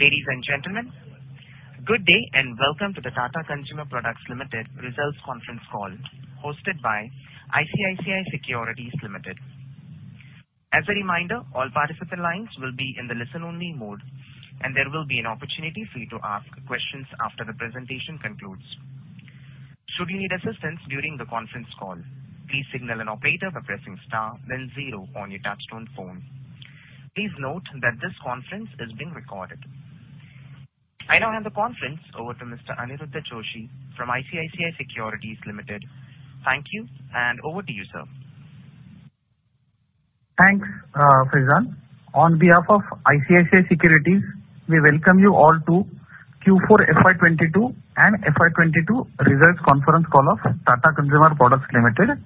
Ladies and gentlemen, good day and welcome to the Tata Consumer Products Limited results conference call hosted by ICICI Securities Limited. As a reminder, all participant lines will be in the listen only mode, and there will be an opportunity for you to ask questions after the presentation concludes. Should you need assistance during the conference call, please signal an operator by pressing star, then zero on your touchtone phone. Please note that this conference is being recorded. I now hand the conference over to Mr. Aniruddha Joshi from ICICI Securities Limited. Thank you and over to you, sir. Thanks, Farzan. On behalf of ICICI Securities, we welcome you all to Q4 FY22 and FY22 results conference call of Tata Consumer Products Limited.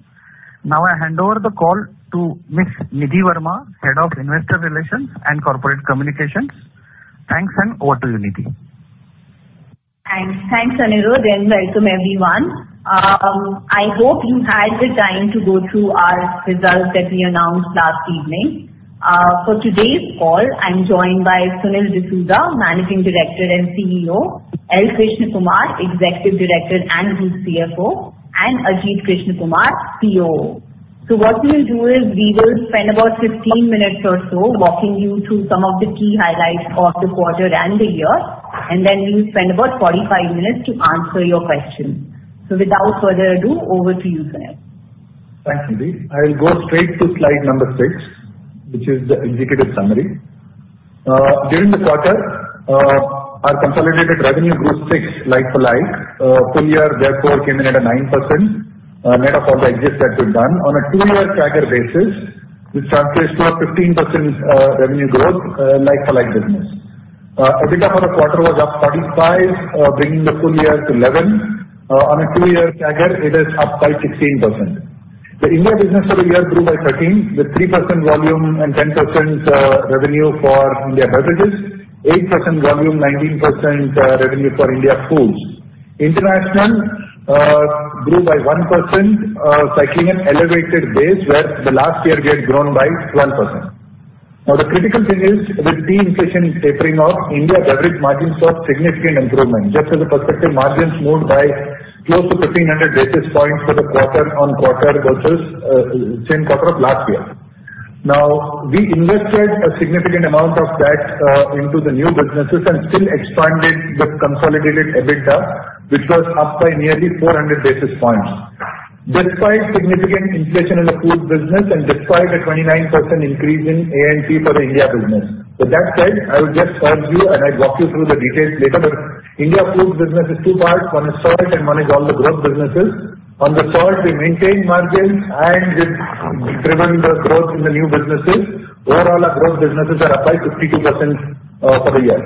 Now, I hand over the call to Ms. Nidhi Verma, Head of Investor Relations and Corporate Communications. Thanks, and over to you, Nidhi. Thanks. Thanks, Aniruddha, and welcome everyone. I hope you had the time to go through our results that we announced last evening. For today's call, I'm joined by Sunil D'Souza, Managing Director and CEO, L. Krishnakumar, Executive Director and Group CFO, and Ajit Krishnakumar, COO. What we will do is we will spend about 15 minutes or so walking you through some of the key highlights of the quarter and the year, and then we will spend about 45 minutes to answer your questions. Without further ado, over to you, Sunil. Thanks, Nidhi. I'll go straight to slide number six, which is the executive summary. During the quarter, our consolidated revenue grew 6% like-for-like. Full year therefore came in at a 9%, net of all the exits that we've done. On a two-year stacked basis, which translates to a 15% revenue growth, like-for-like business. EBITDA for the quarter was up 35%, bringing the full year to 11%. On a two-year stacked basis, it is up by 16%. The India business for the year grew by 13%, with 3% volume and 10% revenue for India beverages, 8% volume, 19% revenue for India foods. International grew by 1%, cycling an elevated base, where the last year we had grown by 1%. Now, the critical thing is with de-inflation tapering off, India beverage margins saw significant improvement. Just as a perspective, margins moved by close to 1,500 basis points for the quarter-on-quarter versus same quarter of last year. Now, we invested a significant amount of that into the new businesses and still expanded the consolidated EBITDA, which was up by nearly 400 basis points. Despite significant inflation in the foods business and despite a 29% increase in A&P for the India business. With that said, I will just urge you, and I'll walk you through the details later, but India foods business is two parts. One is salt and one is all the growth businesses. On the salt, we maintained margins and with driven the growth in the new businesses. Overall, our growth businesses are up by 52% for the year.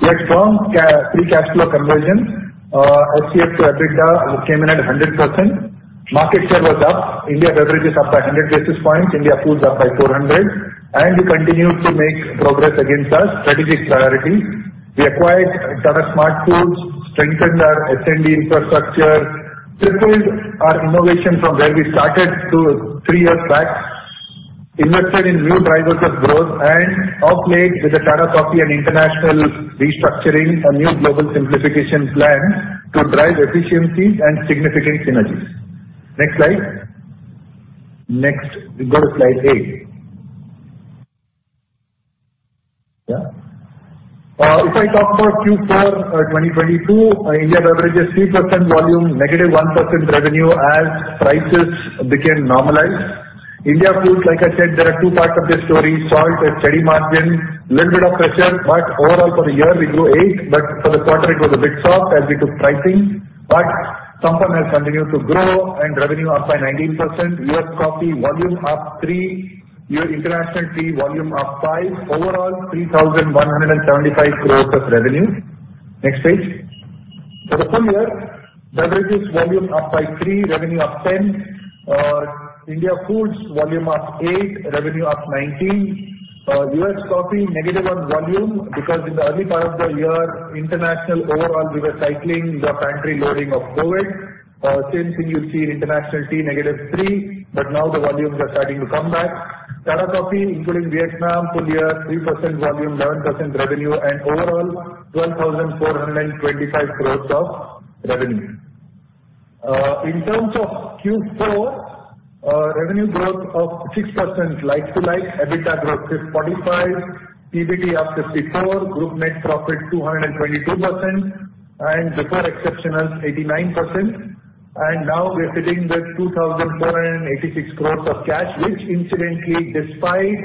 We had strong free cash flow conversion. FCF to EBITDA came in at 100%. Market share was up. India beverages up by 100 basis points. India foods up by 400. We continued to make progress against our strategic priorities. We acquired Tata SmartFoodz, strengthened our S&D infrastructure, tripled our innovation from where we started two to three years back, invested in new drivers of growth and of late with the Tata Coffee and international restructuring, a new global simplification plan to drive efficiencies and significant synergies. Next slide. Next. We go to slide eight. If I talk about Q4 2022, India beverages 3% volume, negative 1% revenue as prices began to normalize. India foods, like I said, there are two parts of this story. Salt is steady margin. Little bit of pressure, but overall for the year we grew 8%, but for the quarter it was a bit soft as we took pricing. Sampann has continued to grow and revenue up by 19%. US coffee volume up 3%. International tea volume up 5%. Overall, 3,175 crores of revenue. Next page. For the full year, beverages volume up by 3%, revenue up 10%. India foods volume up 8%, revenue up 19%. US coffee negative on volume because in the early part of the year, international overall we were cycling the pantry loading of COVID. Same thing you see in international tea, negative 3%, but now the volumes are starting to come back. Tata Coffee, including Vietnam, full year 3% volume, 9% revenue, and overall 12,425 crores of revenue. In terms of Q4, revenue growth of 6% like to like. EBITDA growth is 45%. PBT up 54%. Group net profit 222%. Before exceptionals, 89%. Now we're sitting with 2,486 crores of cash, which incidentally despite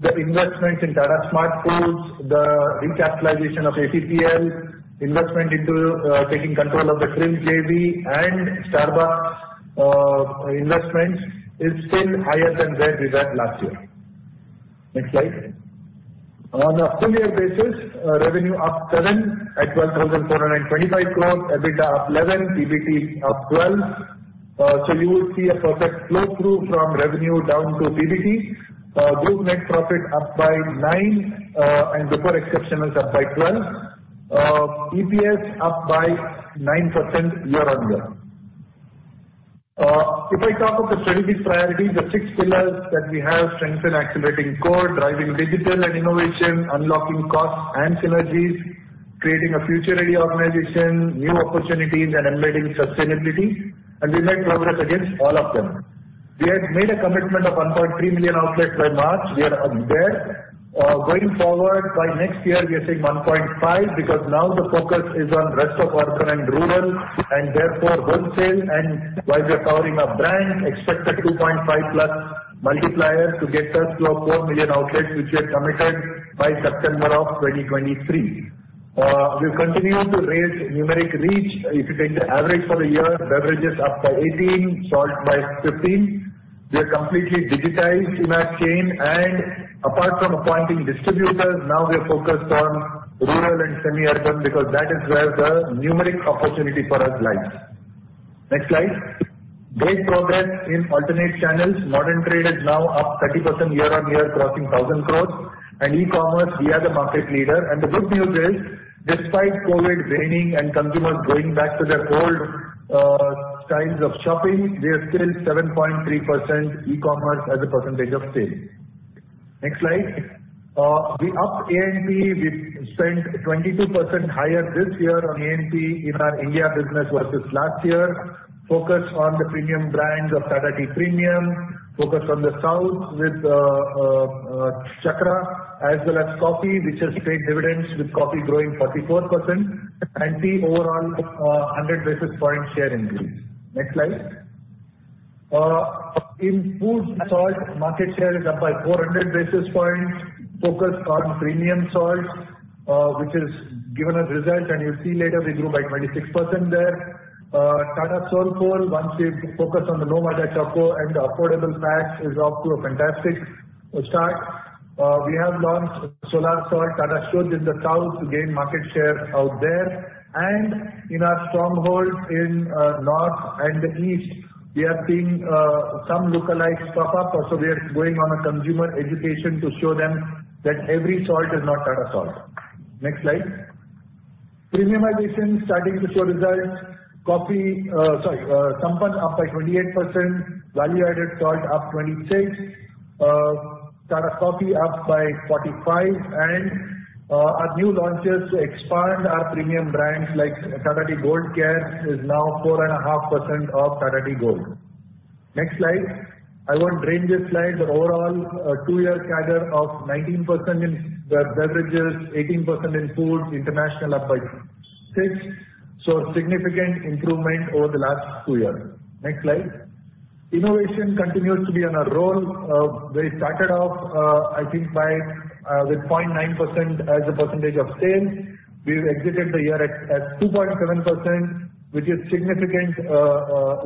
the investment in Tata SmartFoodz, the recapitalization of ACPL, investment into taking control of the Drinks JV and Starbucks investments is still higher than where we were last year. Next slide. On a full year basis, revenue up 7% at 12,425 crores. EBITDA up 11%. PBT up 12%. You will see a perfect flow through from revenue down to PBT. Group net profit up by 9%, and before exceptionals up by 12%. EPS up by 9% year-on-year. If I talk of the strategic priorities, the six pillars that we have strengthen accelerating core, driving digital and innovation, unlocking costs and synergies, creating a future ready organization, new opportunities, and embedding sustainability. We've made progress against all of them. We had made a commitment of 1.3 million outlets by March. We are there. Going forward by next year, we are saying 1.5 because now the focus is on rest of our country rural and therefore wholesale. While we are powering up brand, expect a 2.5+ multiplier to get us to our 4 million outlets, which we have committed by September of 2023. We've continued to raise numeric reach. If you take the average for a year, beverages up by 18, salt by 15. We are completely digitized in our chain. Apart from appointing distributors, now we are focused on rural and semi-urban because that is where the numeric opportunity for us lies. Next slide. Great progress in alternate channels. Modern trade is now up 30% year-on-year crossing 1,000 crore. In e-commerce, we are the market leader. The good news is, despite COVID waning and consumers going back to their old styles of shopping, we are still 7.3% e-commerce as a percentage of sales. Next slide. We upped A&P. We spent 22% higher this year on A&P in our India business versus last year. Focus on the premium brands of Tata Tea Premium, focus on the South with Chakra, as well as coffee, which has paid dividends, with coffee growing 44%. Tea overall, 100 basis points share increase. Next slide. In foods and salt, market share is up by 400 basis points. Focus on premium salt, which has given us results, and you'll see later we grew by 26% there. Tata Soulfull, once we've focused on the no Maida Choco and affordable packs is off to a fantastic start. We have launched Soulfull salt, Tata Salt, in the South to gain market share out there. In our stronghold in North and the East, we are seeing some lookalikes pop up. Also, we are going on a consumer education to show them that every salt is not Tata Salt. Next slide. Premiumization starting to show results. Sampann up by 28%. Value-added salt up 26. Tata Coffee up by 45%. Our new launches expand our premium brands like Tata Tea Gold Care is now 4.5% of Tata Tea Gold. Next slide. I won't dwell on this slide, but overall, a two-year CAGR of 19% in the beverages, 18% in food, international up by 6%. Significant improvement over the last two years. Next slide. Innovation continues to be on a roll. We started off with 0.9% as a percentage of sales. We've exited the year at 2.7%, which is significant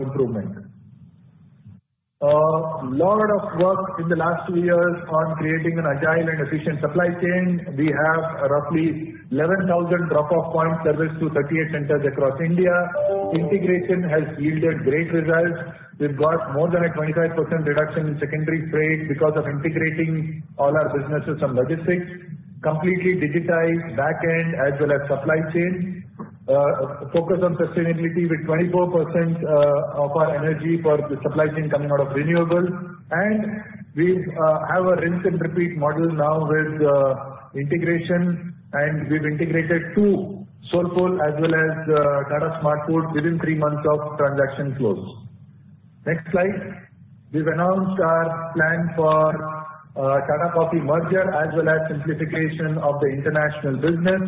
improvement. A lot of work in the last two years on creating an agile and efficient supply chain. We have roughly 11,000 drop-off points serviced through 38 centers across India. Integration has yielded great results. We've got more than a 25% reduction in secondary freight because of integrating all our businesses and logistics. Completely digitized back end as well as supply chain. Focus on sustainability with 24% of our energy for the supply chain coming out of renewables. We have a rinse and repeat model now with integration, and we've integrated Soulfull as well as Tata SmartFoodz within three months of transaction close. Next slide. We've announced our plan for Tata Coffee merger as well as simplification of the international business.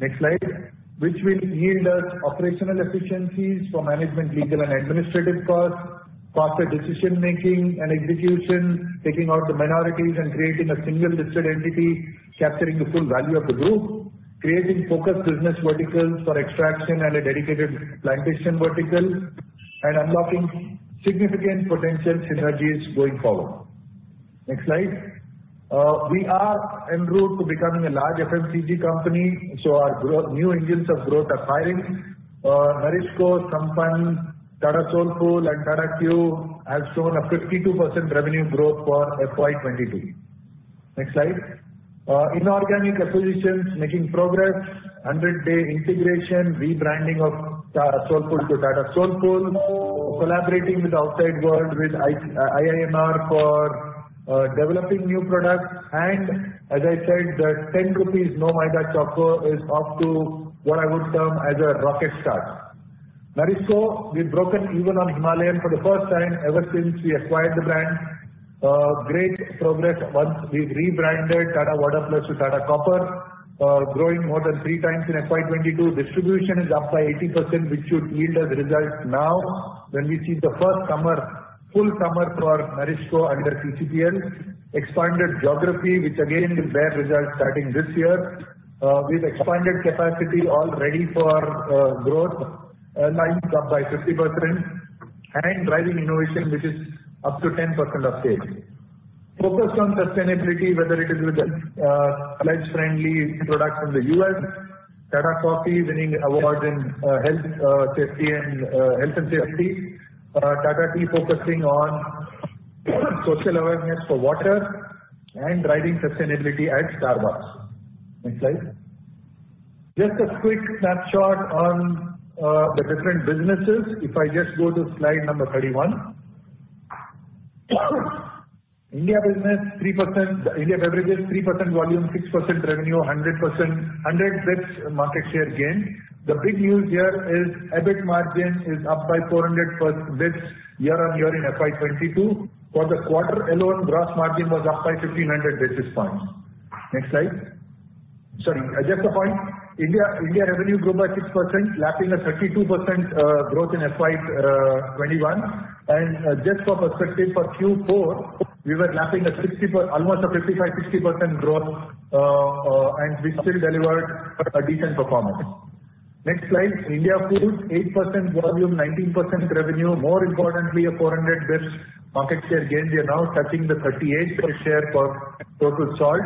Next slide. Which will yield us operational efficiencies for management, legal and administrative costs, faster decision-making and execution, taking out the minorities and creating a single listed entity, capturing the full value of the group. Creating focused business verticals for extraction and a dedicated plantation vertical, and unlocking significant potential synergies going forward. Next slide. We are en route to becoming a large FMCG company, so our new engines of growth are firing. NourishCo, Sampann, Tata Soulfull, and Tata Q have shown a 52% revenue growth for FY 2022. Next slide. Inorganic acquisitions making progress. 100-day integration, rebranding of Soulfull to Tata Soulfull. Collaborating with the outside world with IIMR for developing new products. As I said, the 10 rupees no Maida Choco is off to what I would term as a rocket start. NourishCo, we've broken even on Himalayan for the first time ever since we acquired the brand. Great progress once we've rebranded Tata Water+ to Tata Copper+. Growing more than three times in FY 2022. Distribution is up by 80%, which should yield us results now when we see the first summer, full summer for NourishCo under TCPL. Expanded geography, which again will bear results starting this year. We've expanded capacity already for growth. Lines up by 50%. Driving innovation, which is up to 10% of sales. Focus on sustainability, whether it is with planet-friendly products in the U.S. Tata Coffee winning awards in health and safety. Tata Tea focusing on social awareness for water and driving sustainability at Starbucks. Next slide. Just a quick snapshot on the different businesses. If I just go to slide number 31. India business 3%. The India beverages 3% volume, 6% revenue, 100 basis points market share gain. The big news here is EBIT margin is up by 400 basis points year on year in FY 2022. For the quarter alone, gross margin was up by 1,500 basis points. Next slide. Sorry, just a point. India revenue grew by 6%, lapping a 32%, growth in FY 2021. Just for perspective, for Q4, we were lapping almost a 55%-60% growth, and we still delivered a decent performance. Next slide. India Foods, 8% volume, 19% revenue, more importantly, a 400 basis points market share gain. We are now touching the 38% share for total salt.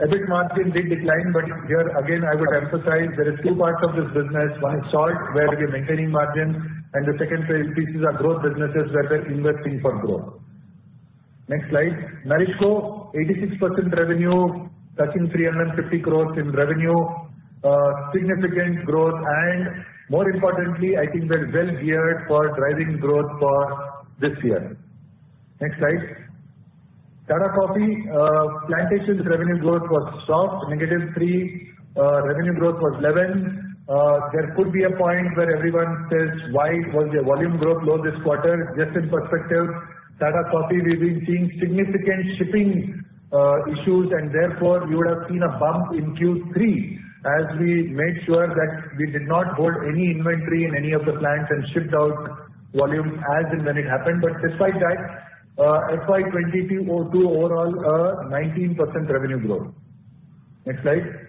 EBIT margin did decline, but here again, I would emphasize there is two parts of this business. One is salt, where we are maintaining margins, and the second piece is our growth businesses where we're investing for growth. Next slide. NourishCo, 86% revenue, touching 350 crores in revenue. Significant growth, and more importantly, I think we're well geared for driving growth for this year. Next slide. Tata Coffee. Plantations revenue growth was soft, -3%. Revenue growth was 11%. There could be a point where everyone says, "Why was their volume growth low this quarter?" Just in perspective, Tata Coffee, we've been seeing significant shipping issues and therefore you would have seen a bump in Q3 as we made sure that we did not hold any inventory in any of the plants and shipped out volume as and when it happened. Despite that, FY 2022 Q2 overall, a 19% revenue growth. Next slide.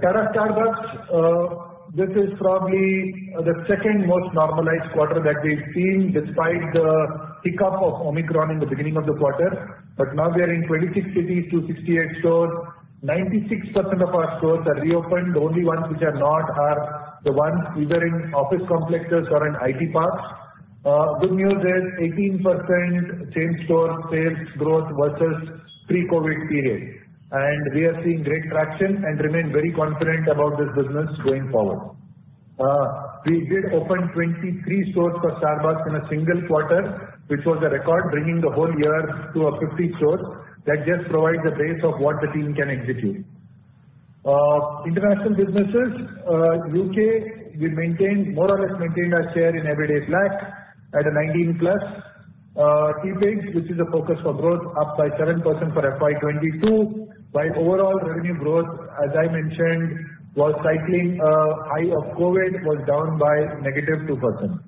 Tata Starbucks, this is probably the second most normalized quarter that we've seen despite the pickup of Omicron in the beginning of the quarter. Now we are in 26 cities, 268 stores. 96% of our stores are reopened. The only ones which are not are the ones either in office complexes or in IT parks. Good news is 18% same store sales growth versus pre-COVID period. We are seeing great traction and remain very confident about this business going forward. We did open 23 stores for Starbucks in a single quarter, which was a record bringing the whole year to 50 stores. That just provides a base of what the team can execute. International businesses, UK, we maintained, more or less maintained our share in Everyday Black at 19+. Teapigs, which is a focus for growth, up by 7% for FY 2022. While overall revenue growth, as I mentioned, while cycling high of COVID was down by -2%.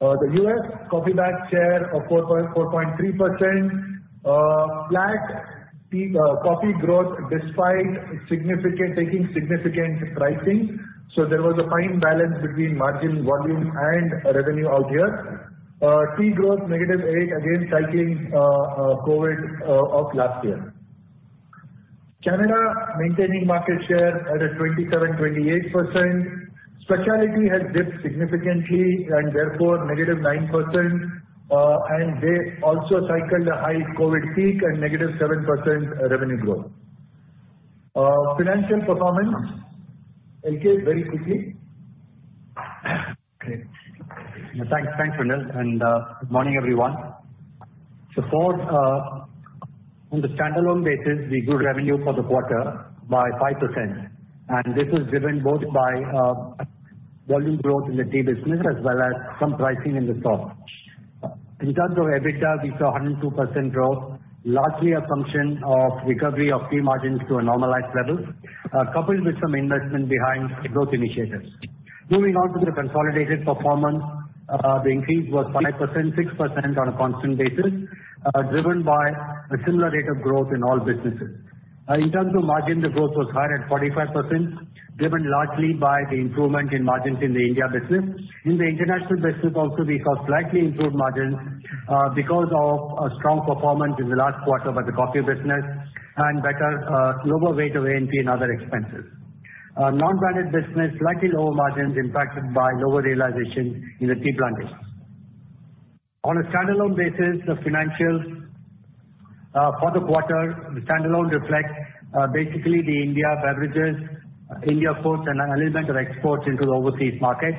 The US coffee business share of 4.3%. Flat tea and coffee growth despite significant pricing. Taking significant pricing. There was a fine balance between margin, volume, and revenue out here. Tea growth -8%, again cycling COVID of last year. Canada maintaining market share at 27%-28%. Specialty has dipped significantly and therefore -9%. They also cycled a high COVID peak and -7% revenue growth. Financial performance. LK, very quickly. Great. Thanks. Thanks, Kunal, and good morning, everyone. On the standalone basis, we grew revenue for the quarter by 5%, and this is driven both by volume growth in the tea business as well as some pricing in the coffee. In terms of EBITDA, we saw 102% growth, largely a function of recovery of tea margins to a normalized level, coupled with some investment behind growth initiatives. Moving on to the consolidated performance, the increase was 5%, 6% on a constant basis, driven by a similar rate of growth in all businesses. In terms of margin, the growth was higher at 45%, driven largely by the improvement in margins in the India business. In the international business also we saw slightly improved margins, because of a strong performance in the last quarter by the coffee business and better lower weight of A&P and other expenses. Non-branded business, slightly lower margins impacted by lower realization in the tea blending. On a standalone basis, the financials for the quarter, the standalone reflect basically the India beverages, India foods and a little bit of exports into the overseas markets.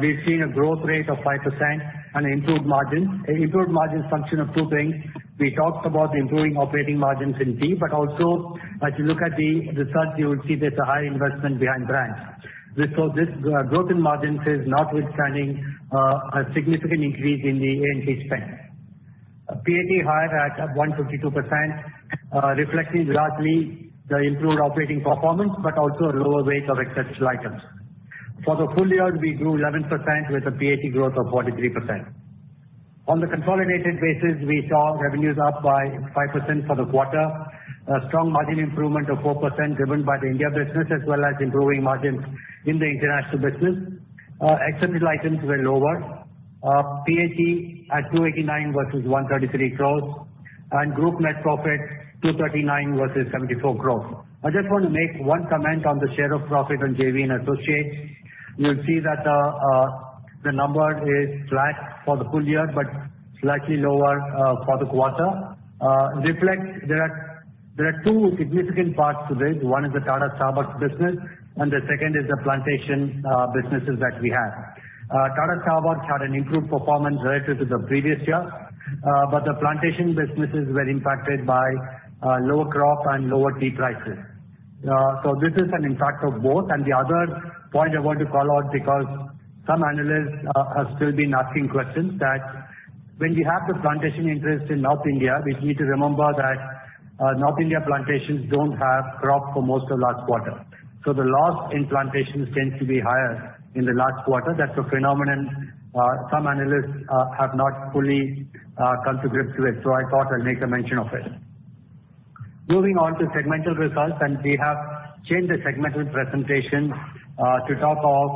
We've seen a growth rate of 5% and improved margins. Improved margins function of two things. We talked about improving operating margins in tea, but also as you look at the charts, you will see there's a high investment behind brands. This growth in margins is notwithstanding a significant increase in the A&P spend. PAT higher at 152%, reflecting largely the improved operating performance but also a lower weight of exceptional items. For the full year, we grew 11% with a PAT growth of 43%. On the consolidated basis, we saw revenues up by 5% for the quarter. A strong margin improvement of 4% driven by the India business as well as improving margins in the international business. Exceptional items were lower. PAT at 289 versus 133 crores. Group net profit 239 versus 74 growth. I just want to make one comment on the share of profit on JV and associates. You will see that the number is flat for the full year, but slightly lower for the quarter. It reflects there are two significant parts to this. One is the Tata Starbucks business and the second is the plantation businesses that we have. Tata Starbucks had an improved performance relative to the previous year, but the plantation businesses were impacted by lower crop and lower tea prices. This is an impact of both. The other point I want to call out, because some analysts have still been asking questions, that when we have the plantation interest in North India, we need to remember that North India plantations don't have crop for most of last quarter. The loss in plantations tends to be higher in the last quarter. That's a phenomenon some analysts have not fully come to grips with. I thought I'll make a mention of it. Moving on to segmental results, we have changed the segmental presentation to talk of.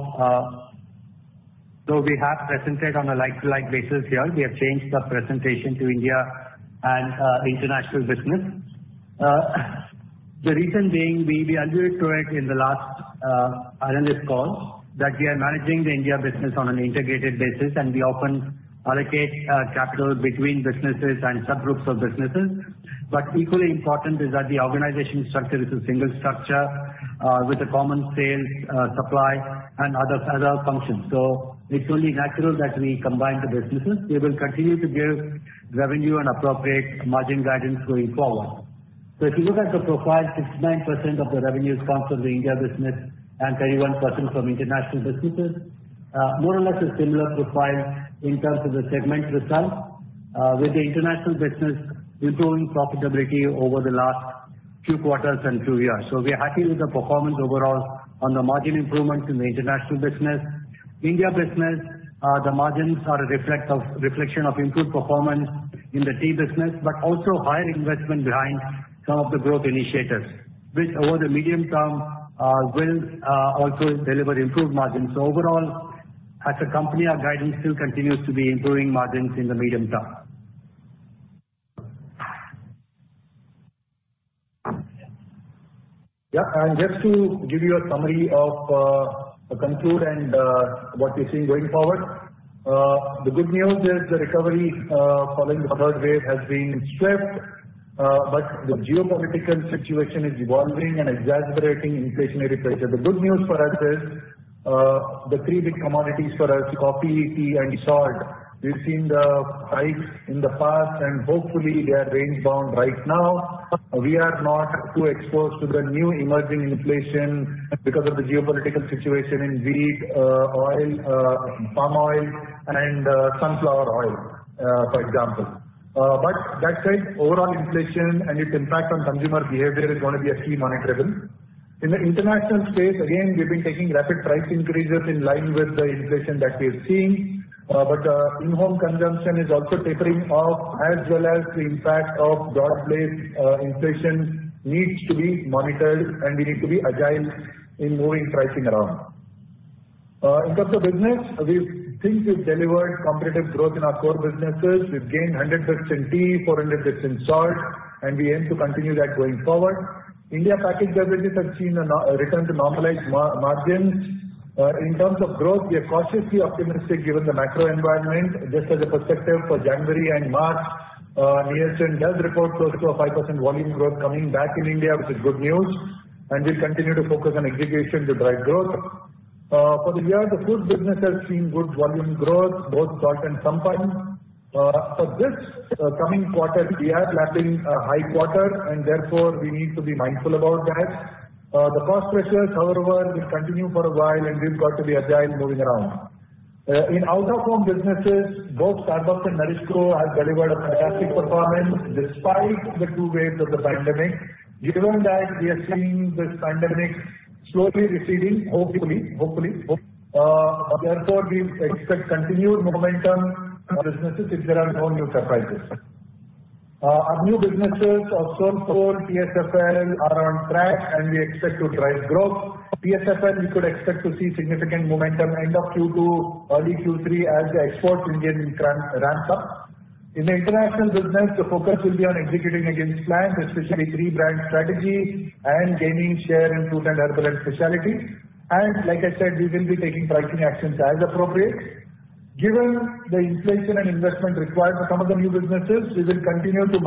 We have presented on a like-to-like basis here. We have changed the presentation to India and international business. The reason being, we've alluded to it in the last analyst call, that we are managing the India business on an integrated basis, and we often allocate capital between businesses and subgroups of businesses. Equally important is that the organization structure is a single structure with a common sales, supply and other functions. It's only natural that we combine the businesses. We will continue to give revenue and appropriate margin guidance going forward. If you look at the profile, 69% of the revenue is coming from the India business and 31% from international businesses. More or less a similar profile in terms of the segment results, with the international business improving profitability over the last two quarters and two years. We are happy with the performance overall on the margin improvements in the international business. India business, the margins are a reflection of improved performance in the tea business, but also higher investment behind some of the growth initiatives, which over the medium term will also deliver improved margins. Overall, as a company, our guidance still continues to be improving margins in the medium term. Just to give you a summary of to conclude and what we're seeing going forward. The good news is the recovery following the third wave has been steadfast, but the geopolitical situation is evolving and exacerbating inflationary pressure. The good news for us is the three big commodities for us, coffee, tea and salt, we've seen the hikes in the past, and hopefully they are range-bound right now. We are not too exposed to the new emerging inflation because of the geopolitical situation in wheat, oil, palm oil and sunflower oil, for example. That said, overall inflation and its impact on consumer behavior is going to be a key monitorable. In the international space, again, we've been taking rapid price increases in line with the inflation that we're seeing. In-home consumption is also tapering off as well as the impact of broad-based inflation needs to be monitored, and we need to be agile in moving pricing around. In terms of business, we think we've delivered competitive growth in our core businesses. We've gained 100% tea, 400% salt, and we aim to continue that going forward. India packaged beverages have seen a return to normalized margins. In terms of growth, we are cautiously optimistic given the macro environment. Just as a perspective for January and March, Nescafé does report close to a 5% volume growth coming back in India, which is good news, and we continue to focus on aggregation to drive growth. For the year, the foods business has seen good volume growth, both salt and sundries. For this coming quarter, we are lapping a high quarter, and therefore we need to be mindful about that. The cost pressures, however, will continue for a while, and we've got to be agile moving around. In out-of-home businesses, both Starbucks and Nestlé have delivered a fantastic performance despite the two waves of the pandemic. Given that we are seeing this pandemic slowly receding, hopefully, therefore, we expect continued momentum in our businesses if there are no new surprises. Our new businesses of Soulfull, TSFL are on track, and we expect to drive growth. TSFL, we could expect to see significant momentum end of Q2, early Q3 as the exports to India ramps up. In the international business, the focus will be on executing against plans, especially three brand strategy and gaining share in food and herbal and specialty. Like I said, we will be taking pricing actions as appropriate. Given the inflation and investment required for some of the new businesses, we will continue to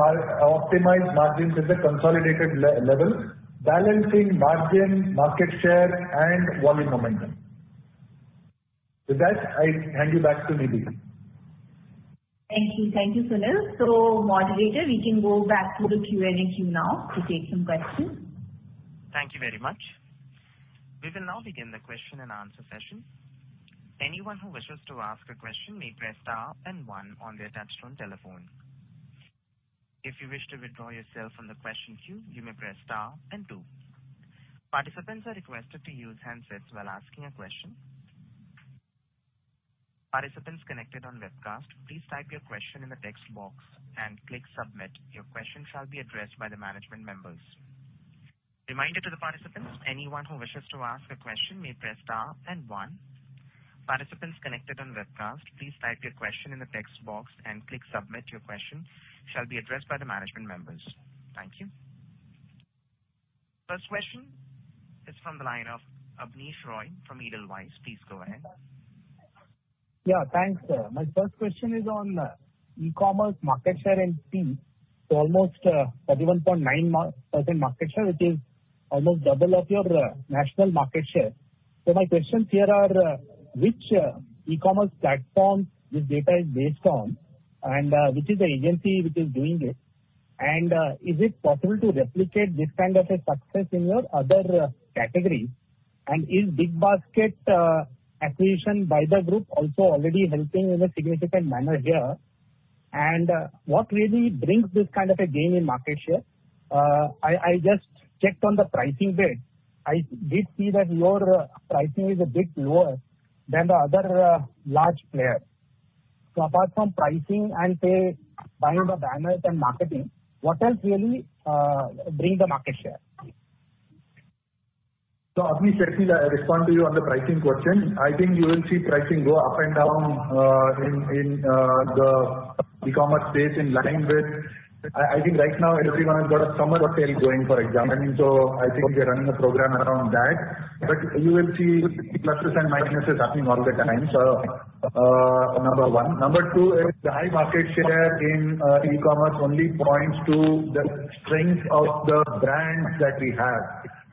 optimize margins at the consolidated level, balancing margin, market share and volume momentum. With that, I hand you back to Nidhi. Thank you. Thank you, Sunil. Moderator, we can go back to the Q&A queue now to take some questions. Thank you very much. We will now begin the question and answer session. Anyone who wishes to ask a question may press star and one on their touchtone telephone. If you wish to withdraw yourself from the question queue, you may press star and two. Participants are requested to use handsets while asking a question. Participants connected on webcast, please type your question in the text box and click submit. Your question shall be addressed by the management members. Reminder to the participants, anyone who wishes to ask a question may press star and one. Participants connected on webcast, please type your question in the text box and click submit. Your question shall be addressed by the management members. Thank you. First question is from the line of Abneesh Roy from Edelweiss. Please go ahead. Yeah, thanks. My first question is on e-commerce market share and fee. Almost 31.9% market share, which is almost double of your national market share. My questions here are, which e-commerce platform this data is based on, and which is the agency which is doing it? Is it possible to replicate this kind of a success in your other categories? Is BigBasket acquisition by the group also already helping in a significant manner here? What really brings this kind of a gain in market share? I just checked on the pricing bit. I did see that your pricing is a bit lower than the other large players. Apart from pricing and, say, buying the banners and marketing, what else really bring the market share? Abneesh, let me respond to you on the pricing question. I think you will see pricing go up and down in the e-commerce space in line with I think right now everyone has got a summer sale going, for example, so I think we are running a program around that. You will see pluses and minuses happening all the time. Number one. Number two is the high market share in e-commerce only points to the strength of the brands that we have,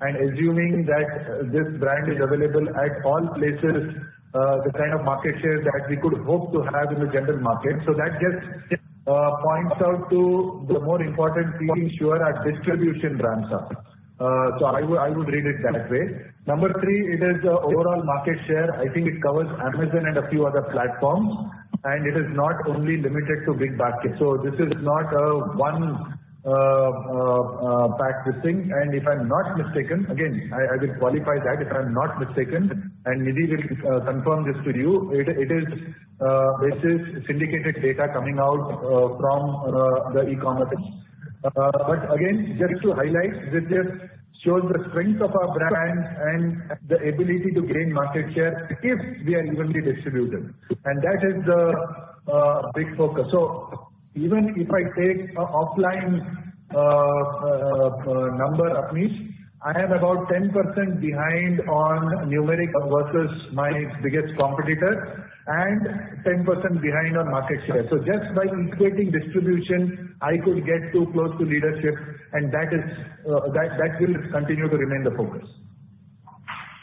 and assuming that this brand is available at all places, the kind of market share that we could hope to have in the general market. That just points out to the more important thing is that distribution and brands are. I would read it that way. Number three, it is the overall market share. I think it covers Amazon and a few other platforms, and it is not only limited to BigBasket. This is not one pack thing. If I'm not mistaken, again, I will qualify that. If I'm not mistaken, and Nidhi will confirm this with you, it is syndicated data coming out from the e-commerce. Again, just to highlight, this just shows the strength of our brand and the ability to gain market share if we are evenly distributed. That is the big focus. Even if I take an offline number, Abneesh, I am about 10% behind on numeric versus my biggest competitor and 10% behind on market share. Just by integrating distribution, I could get too close to leadership, and that is, that will continue to remain the focus.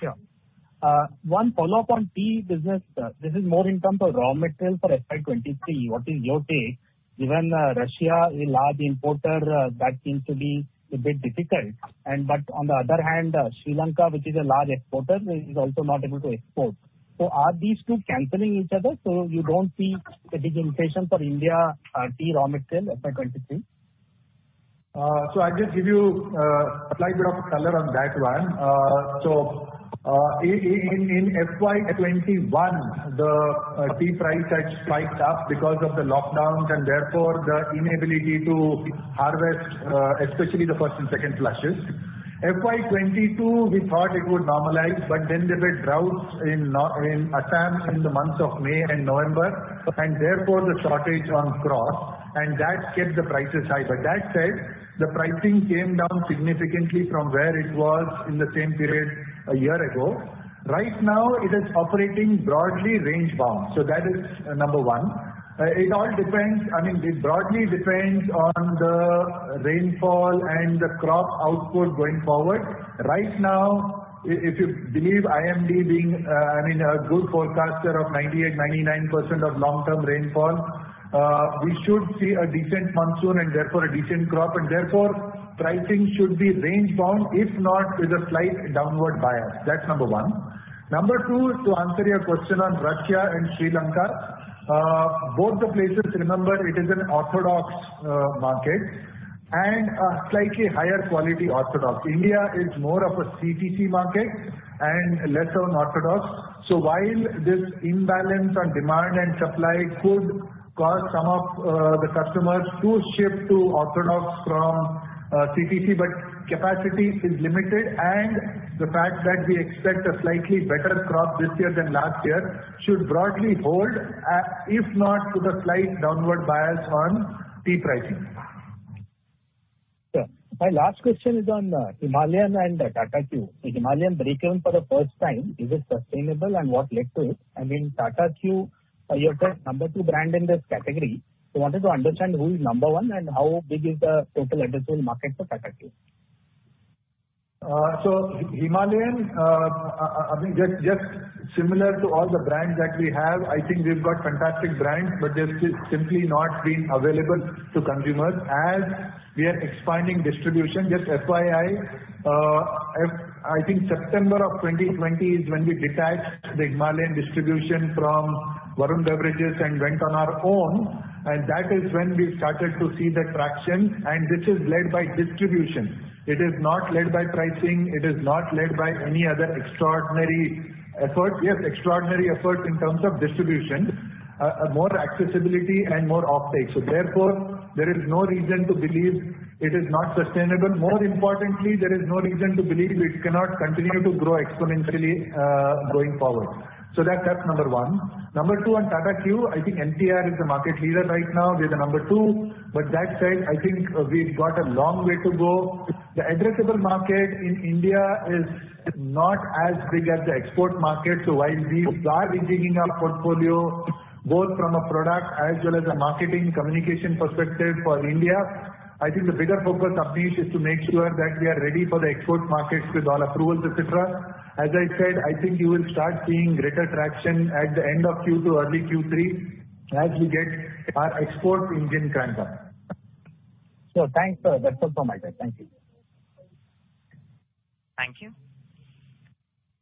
Yeah. One follow-up on tea business. This is more in terms of raw material for FY 2023. What is your take? Even Russia is a large importer that seems to be a bit difficult. But on the other hand, Sri Lanka, which is a large exporter, is also not able to export. Are these two canceling each other, so you don't see a big inflation for India tea raw material, FY 2023? I'll just give you a slight bit of color on that one. In FY 2021, the tea price had spiked up because of the lockdowns and therefore the inability to harvest, especially the first and second flushes. FY 2022, we thought it would normalize, but then there were droughts in Assam in the months of May and November, and therefore the shortage on crops, and that kept the prices high. But that said, the pricing came down significantly from where it was in the same period a year ago. Right now it is operating broadly range bound. That is number one. It all depends, I mean, it broadly depends on the rainfall and the crop output going forward. Right now, if you believe IMD being, I mean, a good forecaster of 98%-99% of long-term rainfall, we should see a decent monsoon and therefore a decent crop, and therefore pricing should be range bound, if not with a slight downward bias. That's number one. Number two is to answer your question on Russia and Sri Lanka. Both the places remember it is an Orthodox market and a slightly higher quality Orthodox. India is more of a CTC market and less on Orthodox. So while this imbalance on demand and supply could cause some of the customers to shift to Orthodox from CTC, but capacity is limited and the fact that we expect a slightly better crop this year than last year should broadly hold, if not with a slight downward bias on tea pricing. Sure. My last question is on Himalayan and Tata Q. The Himalayan breakeven for the first time, is it sustainable and what led to it? Then Tata Q, you have the number two brand in this category. Wanted to understand who is number one and how big is the total addressable market for Tata Q. Himalayan, Abneesh, just similar to all the brands that we have, I think we've got fantastic brands, but they've still simply not been available to consumers. As we are expanding distribution, just FYI, I think September of 2020 is when we detached the Himalayan distribution from Varun Beverages and went on our own, and that is when we started to see the traction, and this is led by distribution. It is not led by pricing, it is not led by any other extraordinary effort. Yes, extraordinary effort in terms of distribution, more accessibility and more optics. Therefore, there is no reason to believe it is not sustainable. More importantly, there is no reason to believe it cannot continue to grow exponentially going forward. That's number one. Number two on Tata Q. I think MTR is the market leader right now. We're the number two, but that said, I think we've got a long way to go. The addressable market in India is not as big as the export market. While we are increasing our portfolio both from a product as well as a marketing communication perspective for India, I think the bigger focus, Abhi, is to make sure that we are ready for the export markets with all approvals, et cetera. As I said, I think you will start seeing greater traction at the end of Q2, early Q3, as we get our export engine going. Thanks, sir. That's all from my side. Thank you. Thank you.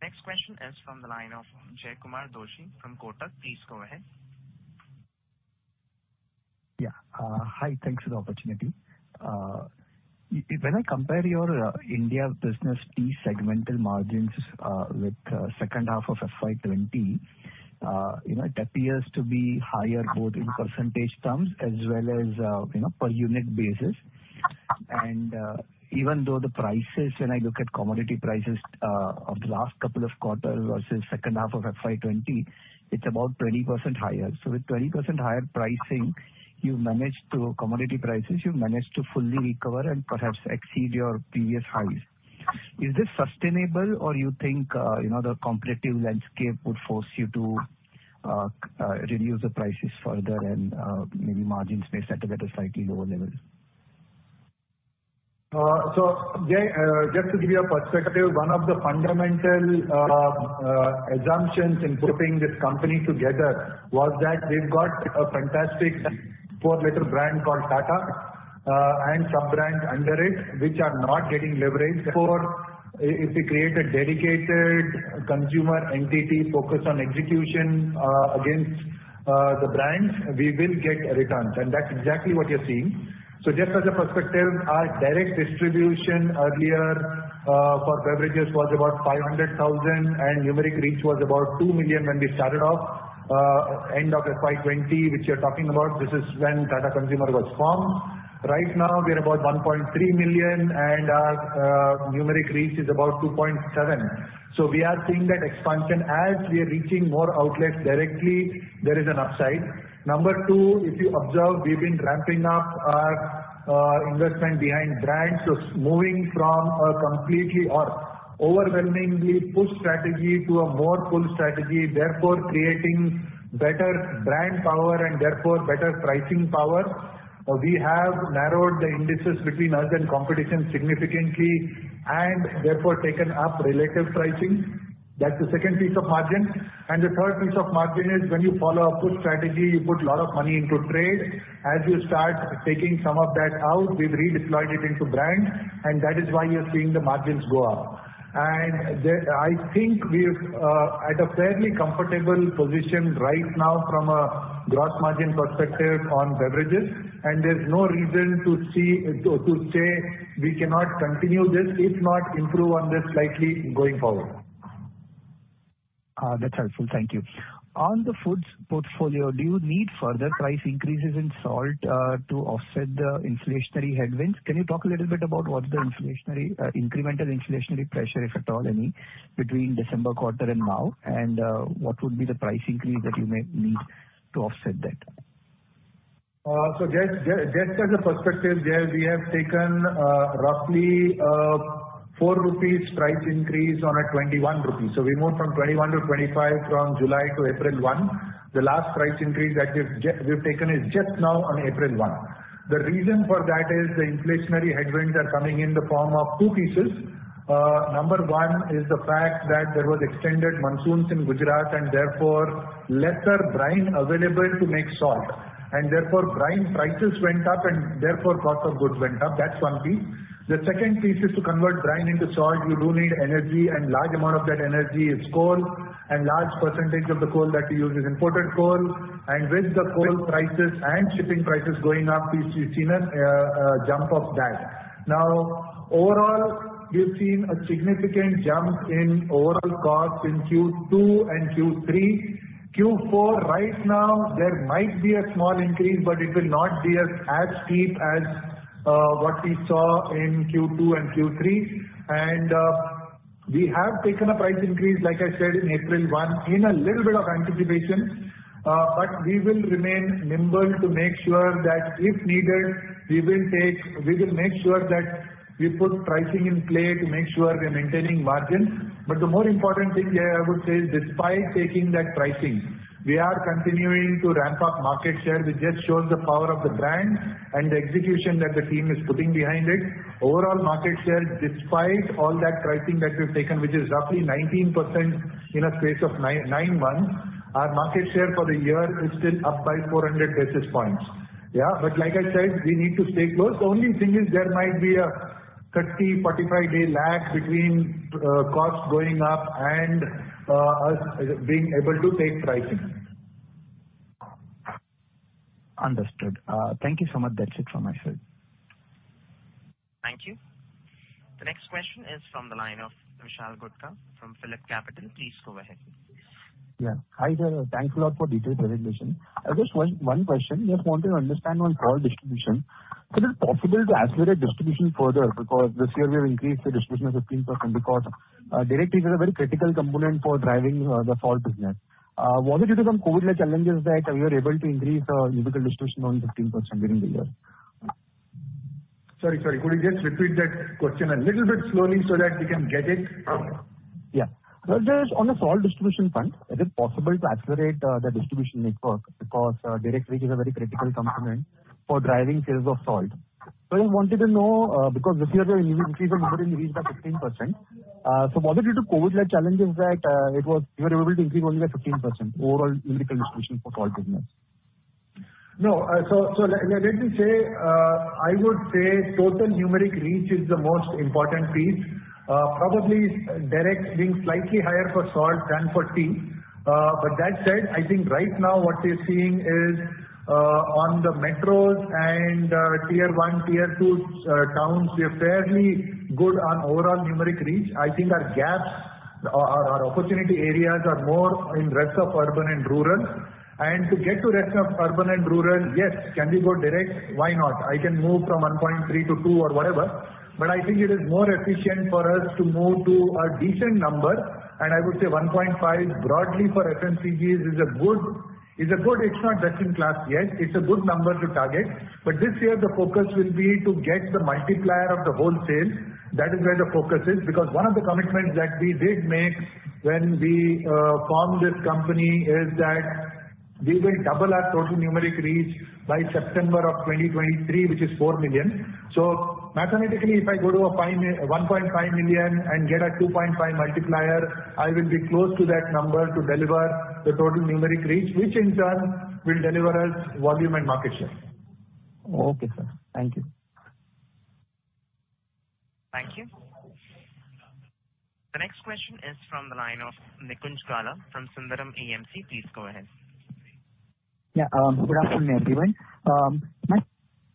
Next question is from the line of Jaykumar Doshi from Kotak. Please go ahead. Yeah. Hi, thanks for the opportunity. When I compare your India business key segmental margins with second half of FY 2020, you know, it appears to be higher both in percentage terms as well as, you know, per unit basis. Even though the prices, when I look at commodity prices of the last couple of quarters versus second half of FY 2020, it's about 20% higher. With 20% higher pricing, you've managed to fully recover and perhaps exceed your previous highs. Is this sustainable or you think, you know, the competitive landscape would force you to reduce the prices further and maybe margins may settle at a slightly lower level? Jay, just to give you a perspective, one of the fundamental assumptions in putting this company together was that we've got a fantastic four-letter brand called Tata, and sub-brands under it which are not getting leveraged. Therefore, if we create a dedicated consumer entity focused on execution against the brands, we will get returns, and that's exactly what you're seeing. Just as a perspective, our direct distribution earlier for beverages was about 500,000, and numeric reach was about 2 million when we started off. End of FY 2020, which you're talking about, this is when Tata Consumer was formed. Right now we are about 1.3 million and our numeric reach is about 2.7. We are seeing that expansion. As we are reaching more outlets directly, there is an upside. Number two, if you observe, we've been ramping up our investment behind brands. Moving from a completely or overwhelmingly push strategy to a more pull strategy, therefore creating better brand power and therefore better pricing power. We have narrowed the indices between us and competition significantly and therefore taken up relative pricing. That's the second piece of margin. The third piece of margin is when you follow a pull strategy, you put a lot of money into trade. As you start taking some of that out, we've redeployed it into brand, and that is why you're seeing the margins go up. I think we're at a fairly comfortable position right now from a gross margin perspective on beverages, and there's no reason to say we cannot continue this, if not improve on this slightly going forward. That's helpful. Thank you. On the foods portfolio, do you need further price increases in salt to offset the inflationary headwinds? Can you talk a little bit about what the incremental inflationary pressure, if at all any, between December quarter and now? What would be the price increase that you may need to offset that? Just as a perspective, Jay, we have taken roughly 4 rupees price increase on a 21-rupee. We moved from 21 to 25 from July to April 1. The last price increase that we've taken is just now on April 1. The reason for that is the inflationary headwinds are coming in the form of two pieces. Number one is the fact that there was extended monsoons in Gujarat and therefore lesser brine available to make salt, and therefore brine prices went up and therefore cost of goods went up. That's one piece. The second piece is to convert brine into salt, you do need energy, and large amount of that energy is coal, and large percentage of the coal that you use is imported coal. With the coal prices and shipping prices going up, we've seen a jump of that. Now, overall, we've seen a significant jump in overall costs in Q2 and Q3. Q4 right now, there might be a small increase, but it will not be as steep as what we saw in Q2 and Q3. We have taken a price increase, like I said, in April, in a little bit of anticipation. We will remain nimble to make sure that if needed, we will make sure that we put pricing in play to make sure we are maintaining margins. The more important thing, Jay, I would say is despite taking that pricing, we are continuing to ramp up market share, which just shows the power of the brand and the execution that the team is putting behind it. Overall market share, despite all that pricing that we've taken, which is roughly 19% in a space of nine months, our market share for the year is still up by 400 basis points, yeah? Like I said, we need to stay close. The only thing is there might be a 30-45 day lag between costs going up and us being able to take pricing. Understood. Thank you so much. That's it from my side. Thank you. The next question is from the line of Vishal Gutka from PhillipCapital. Please go ahead. Hi, sir. Thanks a lot for detailed presentation. I just one question. Just wanted to understand on salt distribution. Is it possible to accelerate distribution further? Because this year we have increased the distribution 15% because direct reach is a very critical component for driving the salt business. Was it due to some COVID-led challenges that you are able to increase numerical distribution on 15% during the year? Sorry. Could you just repeat that question a little bit slowly so that we can get it? Yeah. Just on the salt distribution front, is it possible to accelerate the distribution network because direct reach is a very critical component for driving sales of salt. I wanted to know, because this year your increase in numerical reach by 15%. Was it due to COVID-led challenges that you were able to increase only by 15% overall numerical distribution for salt business? Let me say, I would say total numeric reach is the most important piece. Probably direct being slightly higher for salt than for tea. That said, I think right now what we're seeing is, on the metros and, tier one, tier two, towns, we are fairly good on overall numeric reach. I think our gaps or our opportunity areas are more in rest of urban and rural. To get to rest of urban and rural, yes, can we go direct? Why not? I can move from 1.3 to two or whatever, but I think it is more efficient for us to move to a decent number, and I would say 1.5 broadly for FMCGs is a good. It's not best in class yet. It's a good number to target. This year the focus will be to get the multiplier of the wholesale. That is where the focus is. Because one of the commitments that we did make when we formed this company is that we will double our total numeric reach by September 2023, which is 4 million. Mathematically, if I go to a 1.5 million and get a 2.5 multiplier, I will be close to that number to deliver the total numeric reach, which in turn will deliver us volume and market share. Okay, sir. Thank you. Thank you. The next question is from the line of Nikunj Gala from Sundaram AMC. Please go ahead. Good afternoon, everyone. My question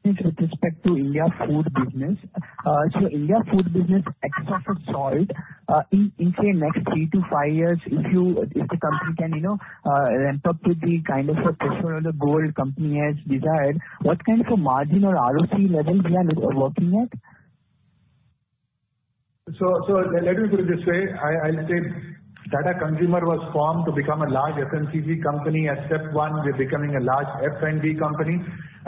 is with respect to India food business. India food business except for salt, in, say, next three ro five years, if the company can, you know, ramp up to the kind of a personal goal company has desired, what kind of a margin or ROC level we are looking at? Let me put it this way. I'll say Tata Consumer was formed to become a large FMCG company. At step one, we're becoming a large F&B company.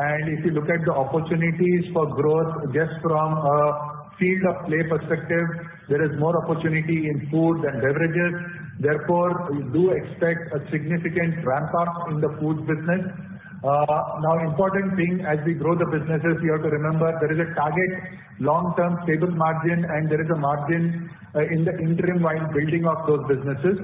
If you look at the opportunities for growth, just from a field of play perspective, there is more opportunity in food and beverages. Therefore, we do expect a significant ramp-up in the food business. Now important thing, as we grow the businesses, you have to remember there is a target long-term stable margin, and there is a margin in the interim while building of those businesses.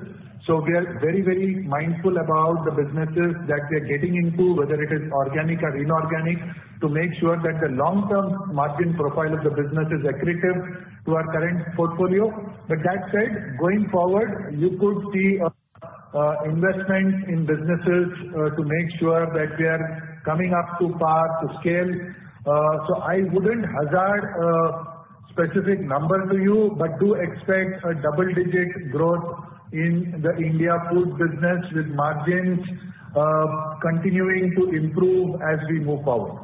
We are very, very mindful about the businesses that we are getting into, whether it is organic or inorganic, to make sure that the long-term margin profile of the business is accretive to our current portfolio. That said, going forward, you could see, investment in businesses, to make sure that we are coming up to par to scale. I wouldn't hazard a specific number to you, but do expect a double-digit growth in the India food business with margins, continuing to improve as we move forward.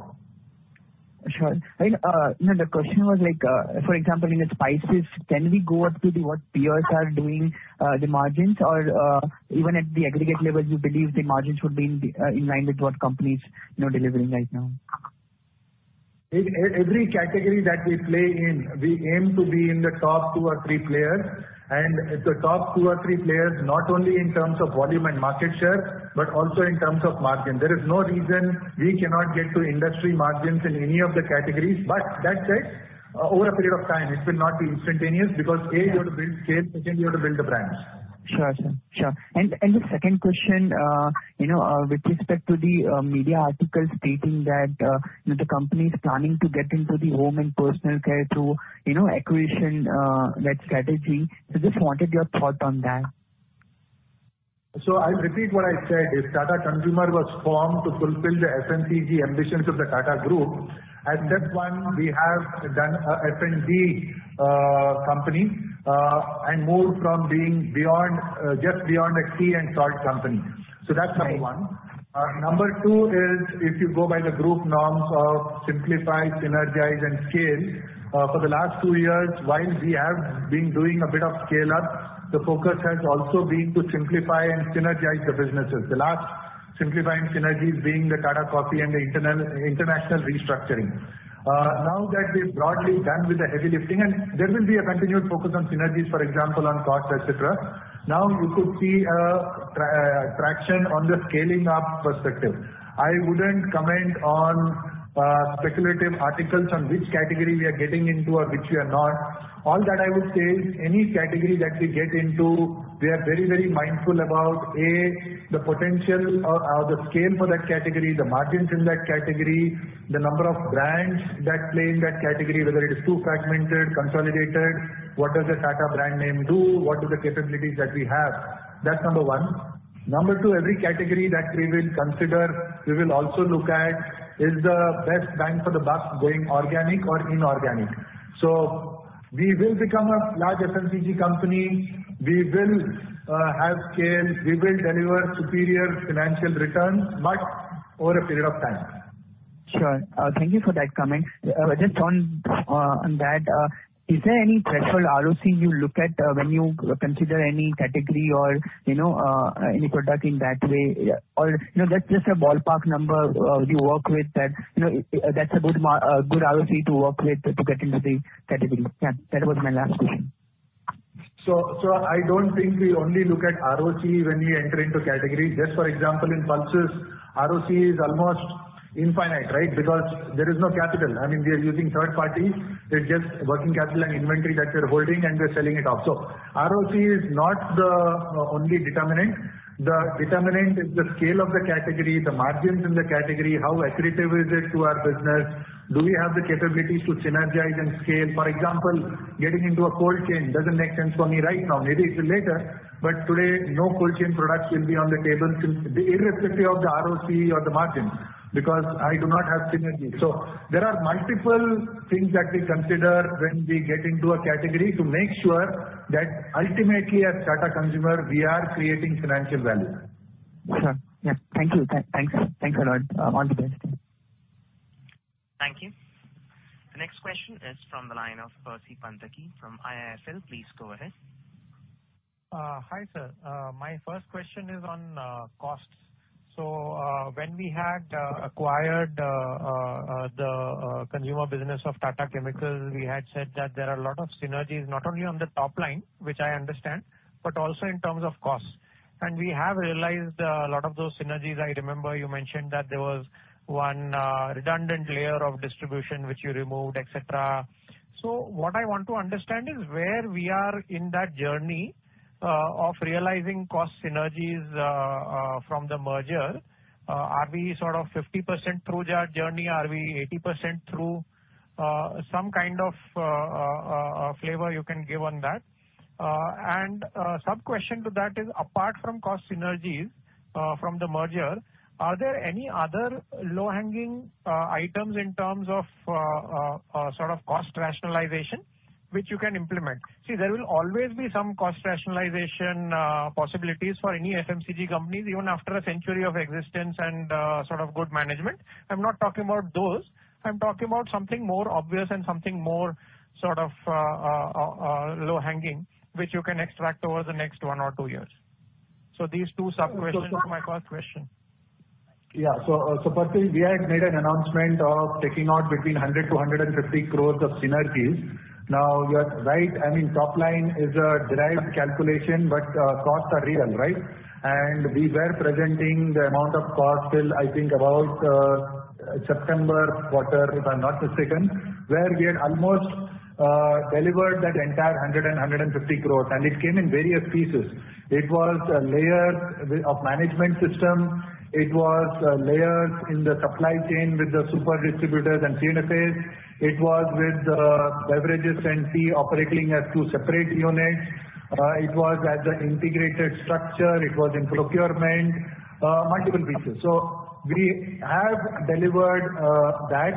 Sure. The question was like, for example, in the spices, can we go up to what peers are doing, the margins? Or, even at the aggregate level, do you believe the margins should be in line with what companies, you know, delivering right now? Every category that we play in, we aim to be in the top two or three players. The top two or three players, not only in terms of volume and market share, but also in terms of margin. There is no reason we cannot get to industry margins in any of the categories. That said, over a period of time, it will not be instantaneous because, A, you have to build scale, second, you have to build the brands. Sure, sir. Sure. The second question, you know, with respect to the media articles stating that, you know, the company is planning to get into the home and personal care through, you know, acquisition led strategy. Just wanted your thought on that. I'll repeat what I said is Tata Consumer was formed to fulfill the FMCG ambitions of the Tata Group. At step one, we have done a F&B company, and moved from being beyond just a tea and salt company. That's number one. Number two is if you go by the group norms of simplify, synergize, and scale, for the last two years, while we have been doing a bit of scale-up, the focus has also been to simplify and synergize the businesses. The last simplify and synergies being the Tata Coffee and the international restructuring. Now that we've broadly done with the heavy lifting, and there will be a continuous focus on synergies, for example, on costs, et cetera. Now you could see traction on the scaling up perspective. I wouldn't comment on speculative articles on which category we are getting into or which we are not. All that I would say is any category that we get into, we are very, very mindful about, A, the potential or the scale for that category, the margins in that category, the number of brands that play in that category, whether it is too fragmented, consolidated, what does the Tata brand name do, what are the capabilities that we have? That's number one. Number two, every category that we will consider, we will also look at is the best bang for the buck going organic or inorganic. We will become a large FMCG company. We will have scale. We will deliver superior financial returns, but over a period of time. Sure. Thank you for that comment. Just on that, is there any threshold ROC you look at when you consider any category or, you know, any product in that way? Or, you know, just a ballpark number you work with that, you know, that's a good ROC to work with to get into the category? Yeah, that was my last question. I don't think we only look at ROC when we enter into categories. Just for example, in pulses, ROC is almost infinite, right? Because there is no capital. I mean, we are using third parties. It's just working capital and inventory that we're holding, and we're selling it off. ROC is not the only determinant. The determinant is the scale of the category, the margins in the category, how accretive is it to our business? Do we have the capabilities to synergize and scale? For example, getting into a cold chain doesn't make sense for me right now, maybe it's later, but today no cold chain products will be on the table irrespective of the ROC or the margin, because I do not have synergies. There are multiple things that we consider when we get into a category to make sure that ultimately at Tata Consumer we are creating financial value. Sure. Yeah. Thank you. Thanks. Thanks a lot. All the best. Thank you. The next question is from the line of Percy Panthaki from IIFL. Please go ahead. Hi, sir. My first question is on costs. When we had acquired the consumer business of Tata Chemicals, we had said that there are a lot of synergies not only on the top line, which I understand, but also in terms of costs. We have realized a lot of those synergies. I remember you mentioned that there was one redundant layer of distribution which you removed, et cetera. What I want to understand is where we are in that journey of realizing cost synergies from the merger. Are we sort of 50% through our journey? Are we 80% through? Some kind of a flavor you can give on that. Sub-question to that is, apart from cost synergies from the merger, are there any other low-hanging items in terms of sort of cost rationalization which you can implement? See, there will always be some cost rationalization possibilities for any FMCG companies, even after a century of existence and sort of good management. I'm not talking about those. I'm talking about something more obvious and something more sort of low-hanging, which you can extract over the next one or two years. These two sub-questions to my first question. Yeah. Percy, we had made an announcement of taking out between 100-150 crores of synergies. Now, you're right, I mean, top line is a derived calculation, but costs are real, right? We were presenting the amount of costs till, I think, about September quarter, if I'm not mistaken, where we had almost delivered that entire 100-150 crores, and it came in various pieces. It was layers of management system. It was layers in the supply chain with the super distributors and 3PLs. It was with beverages and tea operating as two separate units. It was as an integrated structure. It was in procurement, multiple pieces. We have delivered that.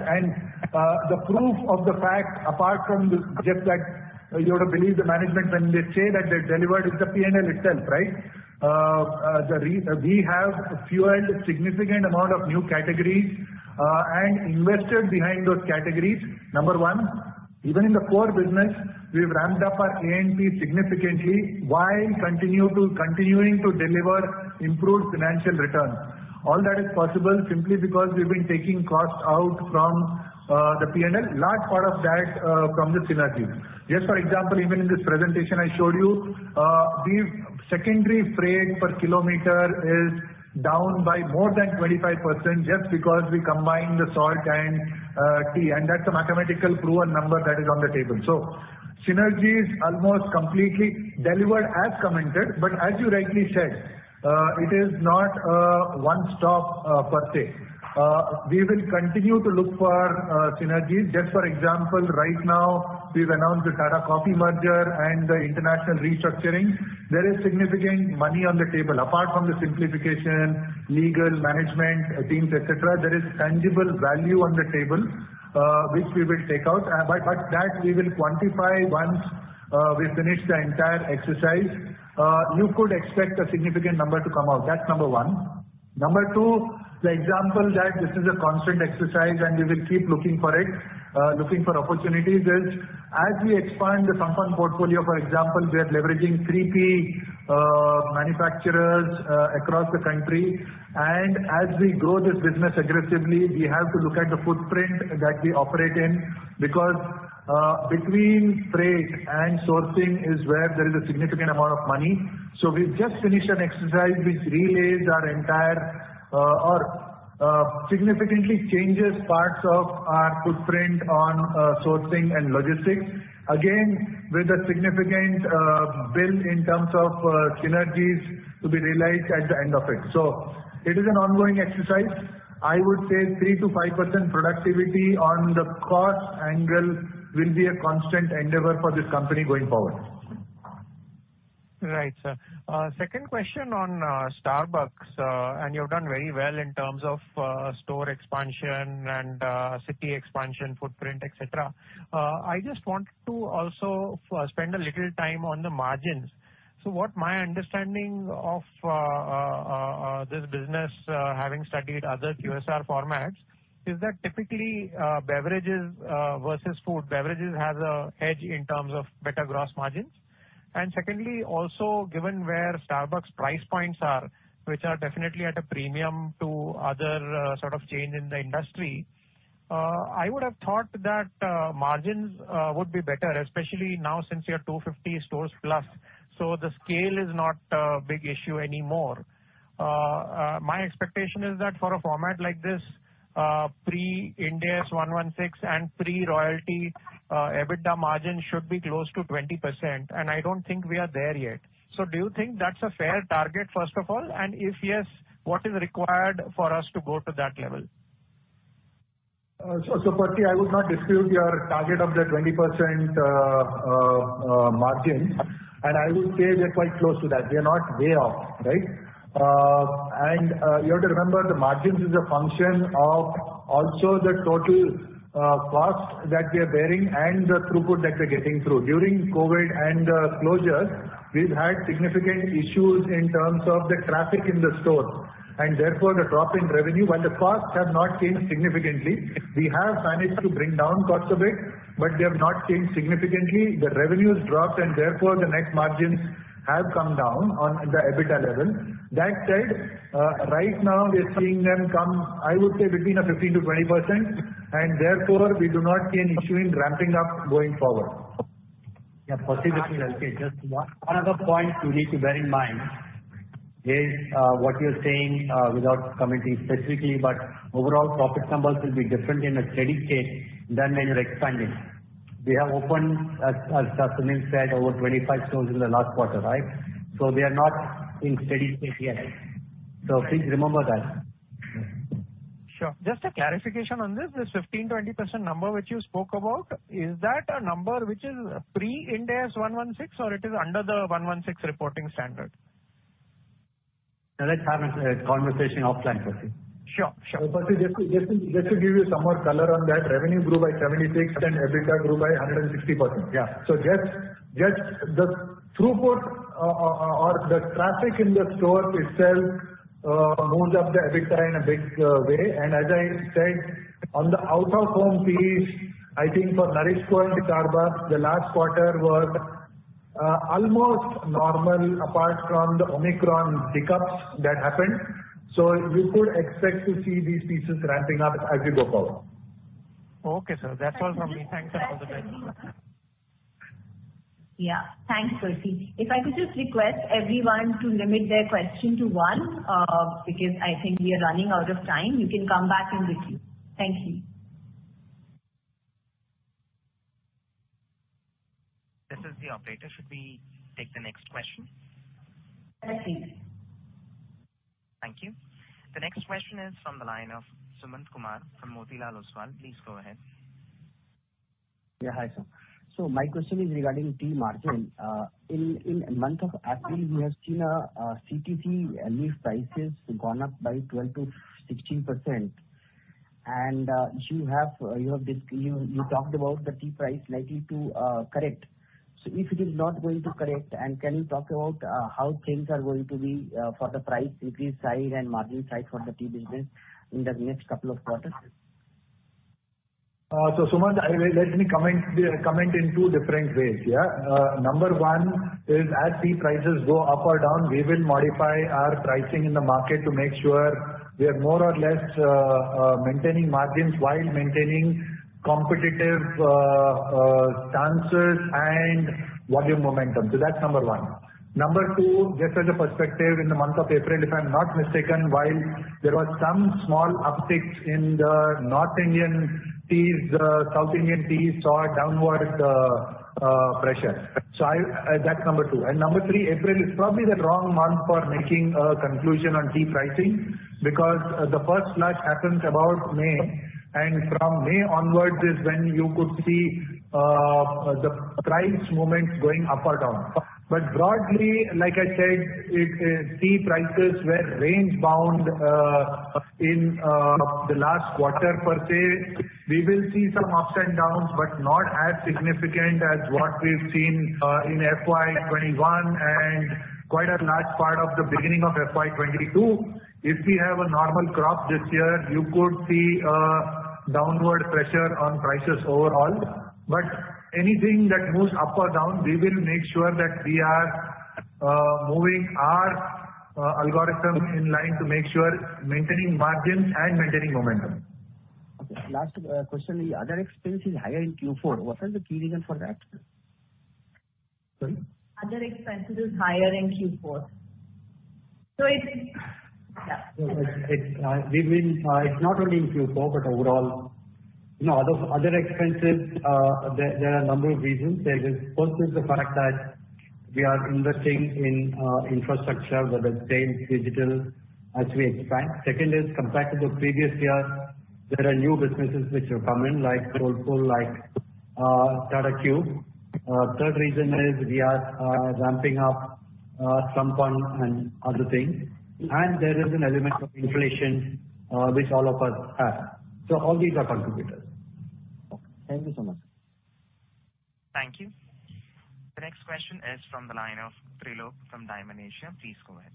The proof of the fact, apart from just like you ought to believe the management when they say that they delivered is the P&L itself, right? We have fueled significant amount of new categories and invested behind those categories. Number one, even in the core business, we've ramped up our A&P significantly while continuing to deliver improved financial returns. All that is possible simply because we've been taking costs out from the P&L, large part of that from the synergies. Just for example, even in this presentation I showed you, the secondary freight per kilometer is down by more than 25% just because we combined the salt and tea, and that's a mathematical proven number that is on the table. Synergy is almost completely delivered as commented, but as you rightly said, it is not a one-stop per se. We will continue to look for synergies. Just for example, right now we've announced the Tata Coffee merger and the international restructuring. There is significant money on the table. Apart from the simplification, legal, management teams, et cetera, there is tangible value on the table, which we will take out. But that we will quantify once we finish the entire exercise. You could expect a significant number to come out. That's number one. Number two, the example that this is a constant exercise and we will keep looking for it, looking for opportunities is as we expand the Sampann portfolio, for example, we are leveraging 3P manufacturers across the country. As we grow this business aggressively, we have to look at the footprint that we operate in, because between freight and sourcing is where there is a significant amount of money. We've just finished an exercise which significantly changes parts of our footprint on sourcing and logistics. Again, with a significant build in terms of synergies to be realized at the end of it. It is an ongoing exercise. I would say 3%-5% productivity on the cost angle will be a constant endeavor for this company going forward. Right, sir. Second question on Starbucks, and you've done very well in terms of store expansion and city expansion footprint, etc. I just want to also spend a little time on the margins. What my understanding of this business, having studied other QSR formats, is that typically beverages versus food, beverages has an edge in terms of better gross margins. Secondly, also, given where Starbucks' price points are, which are definitely at a premium to other sort of chain in the industry, I would have thought that margins would be better, especially now since you're 250 stores plus, so the scale is not a big issue anymore. My expectation is that for a format like this, pre-Ind AS 116 and pre-royalty, EBITDA margin should be close to 20%, and I don't think we are there yet. Do you think that's a fair target, first of all? If yes, what is required for us to go to that level? Percy, I would not dispute your target of the 20% margin, and I will say we're quite close to that. We're not way off, right? You have to remember the margins is a function of also the total cost that we are bearing and the throughput that we're getting through. During COVID and closures, we've had significant issues in terms of the traffic in the stores, and therefore, the drop in revenue, while the costs have not changed significantly. We have managed to bring down costs a bit, but they have not changed significantly. The revenues dropped, and therefore, the net margins have come down on the EBITDA level. That said, right now we're seeing them come, I would say, between a 15%-20%, and therefore, we do not see an issue in ramping up going forward. Yeah, Percy, just one other point you need to bear in mind is what you're saying without commenting specifically, but overall profit numbers will be different in a steady state than when you're expanding. We have opened, as Sunil said, over 25 stores in the last quarter, right? We are not in steady state yet. Please remember that. Sure. Just a clarification on this. This 15%-20% number which you spoke about, is that a number which is pre-Ind AS 116, or it is under the 116 reporting standard? Let's have a conversation offline, Percy. Sure. Sure. Percy, just to give you some more color on that, revenue grew by 76% and EBITDA grew by 160%. Yeah. Just the throughput or the traffic in the stores itself moves up the EBITDA in a big way. As I said, on the out-of-home piece, I think for NourishCo and Starbucks, the last quarter were almost normal apart from the Omicron hiccups that happened. You could expect to see these pieces ramping up as we go forward. Okay, sir. That's all from me. Thanks a lot. Yeah. Thanks, Percy. If I could just request everyone to limit their question to one, because I think we are running out of time. You can come back in the Q. Thank you. This is the operator. Should we take the next question? Yes, please. Thank you. The next question is from the line of Sumant Kumar from Motilal Oswal. Please go ahead. Yeah, hi, sir. My question is regarding tea margin. In month of April, we have seen CTC leaf prices gone up by 12%-16%. You have talked about the tea price likely to correct. If it is not going to correct, can you talk about how things are going to be for the price increase side and margin side for the tea business in the next couple of quarters? Sumant, let me comment in two different ways, yeah? Number one is as tea prices go up or down, we will modify our pricing in the market to make sure we are more or less maintaining margins while maintaining competitive stances and volume momentum. That's number one. Number two, just as a perspective, in the month of April, if I'm not mistaken, while there was some small uptick in the North Indian teas, South Indian teas saw a downward pressure. That's number two. Number three, April is probably the wrong month for making a conclusion on tea pricing because the first flush happens about May, and from May onwards is when you could see the price movements going up or down. Broadly, like I said, tea prices were range-bound in the last quarter per se. We will see some ups and downs, but not as significant as what we've seen in FY 2021 and quite a large part of the beginning of FY 2022. If we have a normal crop this year, you could see downward pressure on prices overall. Anything that moves up or down, we will make sure that we are moving our algorithms in line to make sure maintaining margins and maintaining momentum. Okay. Last question, the other expense is higher in Q4. What are the key reason for that? Sorry? Other expenses is higher in Q4. Yeah. It's not only in Q4, but overall. You know, other expenses, there are a number of reasons. First is the fact that we are investing in infrastructure, whether it's sales, digital, as we expand. Second is compared to the previous year. There are new businesses which have come in like Soulfull, like, Tata Q. Third reason is we are ramping up Sampann and other things. There is an element of inflation which all of us have. All these are contributors. Okay. Thank you so much. Thank you. The next question is from the line of Trilok from Dymon Asia. Please go ahead.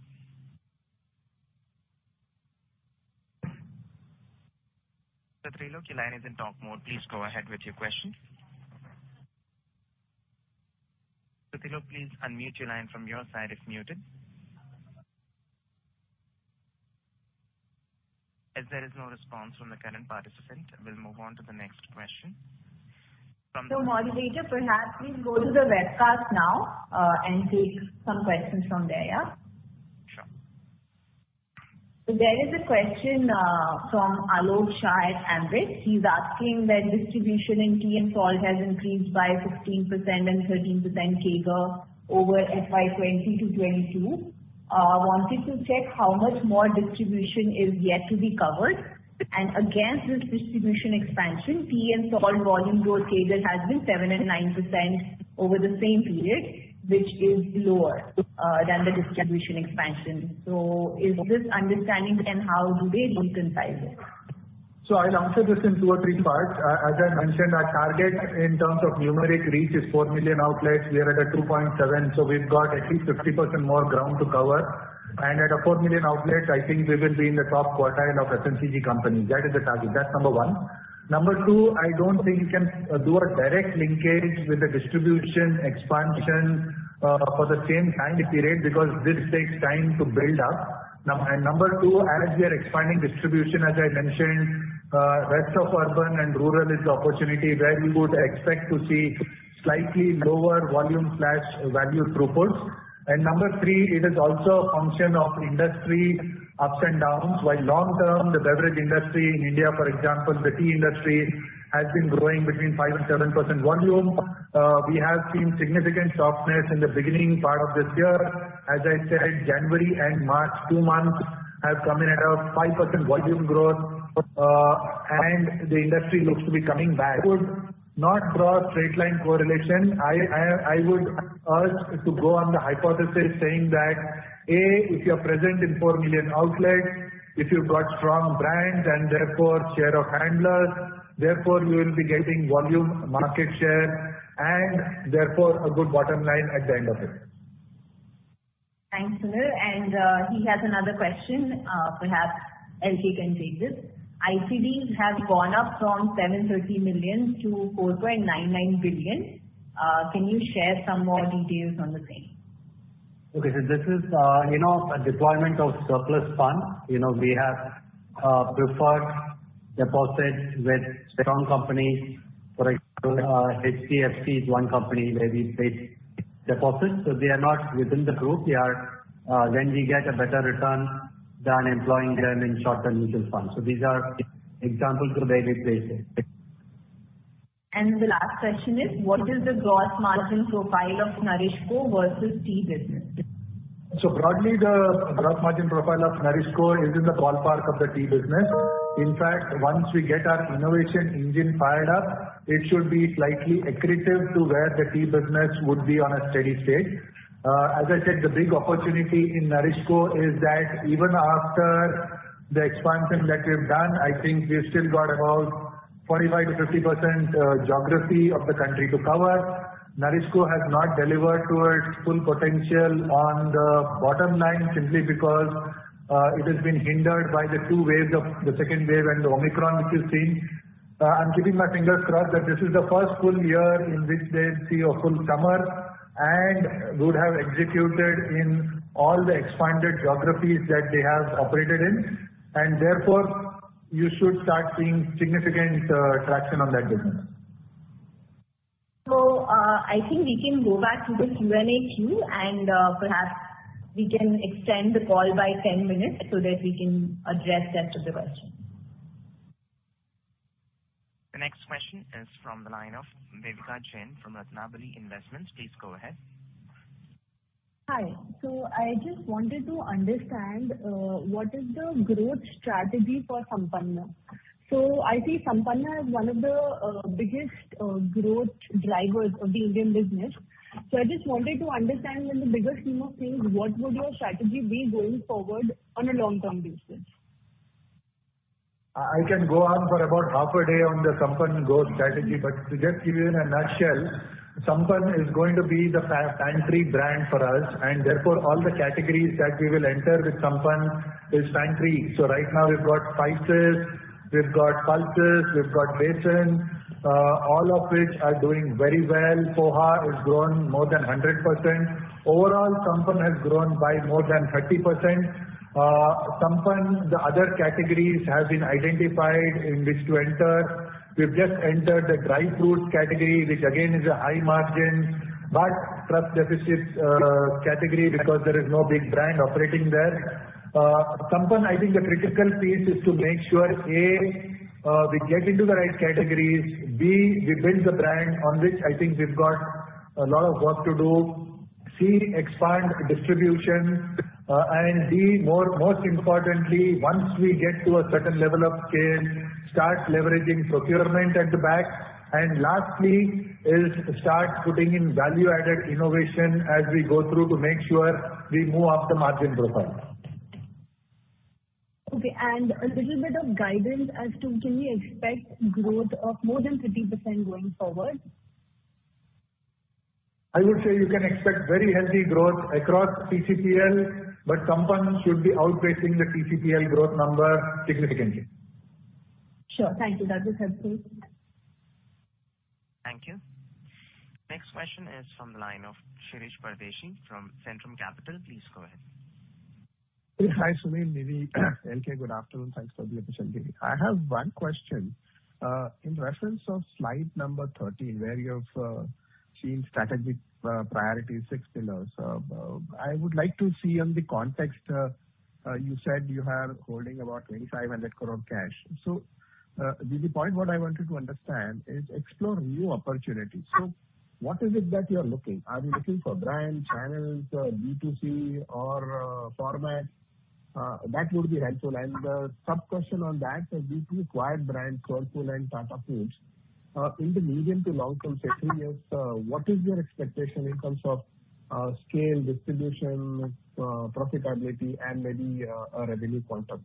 Sir Trilok, your line is in talk mode. Please go ahead with your question. Sir Trilok, please unmute your line from your side, it's muted. As there is no response from the current participant, we'll move on to the next question. Moderator, perhaps please go to the webcast now, and take some questions from there, yeah? Sure. There is a question from Alok Shah at Ambit. He's asking when distribution in tea and salt has increased by 16% and 13% CAGR over FY 2020 to 2022. Wanted to check how much more distribution is yet to be covered. Against this distribution expansion, tea and salt volume growth CAGR has been 7% and 9% over the same period, which is lower than the distribution expansion. Is this understanding and how do they reconcile this? I'll answer this in two or three parts. As I mentioned, our target in terms of numeric reach is 4 million outlets. We are at a 2.7 million, so we've got at least 50% more ground to cover. At a 4 million outlets, I think we will be in the top quartile of FMCG companies. That is the target. That's number one. Number two, I don't think you can do a direct linkage with the distribution expansion for the same time period because this takes time to build up. Number two, as we are expanding distribution, as I mentioned, rest of urban and rural is the opportunity where we would expect to see slightly lower volume/value throughputs. Number three, it is also a function of industry ups and downs. While long-term, the beverage industry in India, for example, the tea industry, has been growing between 5% and 7% volume, we have seen significant softness in the beginning part of this year. As I said, January and March, two months, have come in at a 5% volume growth, and the industry looks to be coming back. I would not draw a straight line correlation. I would urge to go on the hypothesis saying that, A, if you're present in 4 million outlets, if you've got strong brands and therefore share of handlers, therefore you will be gaining volume, market share, and therefore a good bottom line at the end of it. Thanks, Sunil. He has another question. Perhaps LK can take this. ICDs have gone up from 730 million to 4.99 billion. Can you share some more details on the same? Okay. This is, you know, a deployment of surplus funds. You know, we have preferred deposits with strong companies. For example, HDFC is one company where we place deposits. They are not within the group. They are when we get a better return than employing them in short-term mutual funds. These are examples of where we place it. The last question is: What is the gross margin profile of NourishCo versus tea business? Broadly, the gross margin profile of NourishCo is in the top part of the tea business. In fact, once we get our innovation engine fired up, it should be slightly accretive to where the tea business would be on a steady state. As I said, the big opportunity in NourishCo is that even after the expansion that we've done, I think we've still got about 45%-50% geography of the country to cover. NourishCo has not delivered to its full potential on the bottom line simply because it has been hindered by the two waves of the second wave and the Omicron, which we've seen. I'm keeping my fingers crossed that this is the first full year in which they see a full summer and would have executed in all the expanded geographies that they have operated in. You should start seeing significant traction on that business. I think we can go back to the Q&A queue, and perhaps we can extend the call by 10 minutes so that we can address rest of the questions. The next question is from the line of Vivek Jain from Ratnabali Investments. Please go ahead. Hi. I just wanted to understand what is the growth strategy for Sampann. I see Sampann is one of the biggest growth drivers of the Indian business. I just wanted to understand in the bigger scheme of things, what would your strategy be going forward on a long-term basis? I can go on for about half a day on the Sampann growth strategy, but to just give you in a nutshell, Sampann is going to be the pantry brand for us, and therefore all the categories that we will enter with Sampann is pantry. Right now we've got spices, we've got pulses, we've got besan, all of which are doing very well. Poha has grown more than 100%. Overall, Sampann has grown by more than 30%. Sampann, the other categories have been identified in which to enter. We've just entered the dry fruit category, which again is a high margin but trust deficit category because there is no big brand operating there. Sampann, I think the critical piece is to make sure, A, we get into the right categories, B, we build the brand on which I think we've got a lot of work to do. C, expand distribution. D, more, most importantly, once we get to a certain level of scale, start leveraging procurement at the back. Lastly is start putting in value-added innovation as we go through to make sure we move up the margin profile. Okay. A little bit of guidance as to can we expect growth of more than 30% going forward? I would say you can expect very healthy growth across TCPL, but Sampann should be outpacing the TCPL growth number significantly. Sure. Thank you. That was helpful. Thank you. Next question is from the line of Shirish Pardeshi from Centrum Capital. Please go ahead. Hi, Sunil, Nivi, LK, good afternoon. Thanks for the opportunity. I have one question. In reference of slide number 13, where you have seen strategic priority six pillars. I would like to see in the context, you said you have holding about 2,500 crore cash. The point what I wanted to understand is explore new opportunities. What is it that you're looking? Are you looking for brand, channels, B2C or format? That would be helpful. Sub-question on that, did you acquire brand Soulfull and Tata SmartFoodz, in the medium to long term, say three years, what is your expectation in terms of scale, distribution, profitability and maybe a revenue quantum?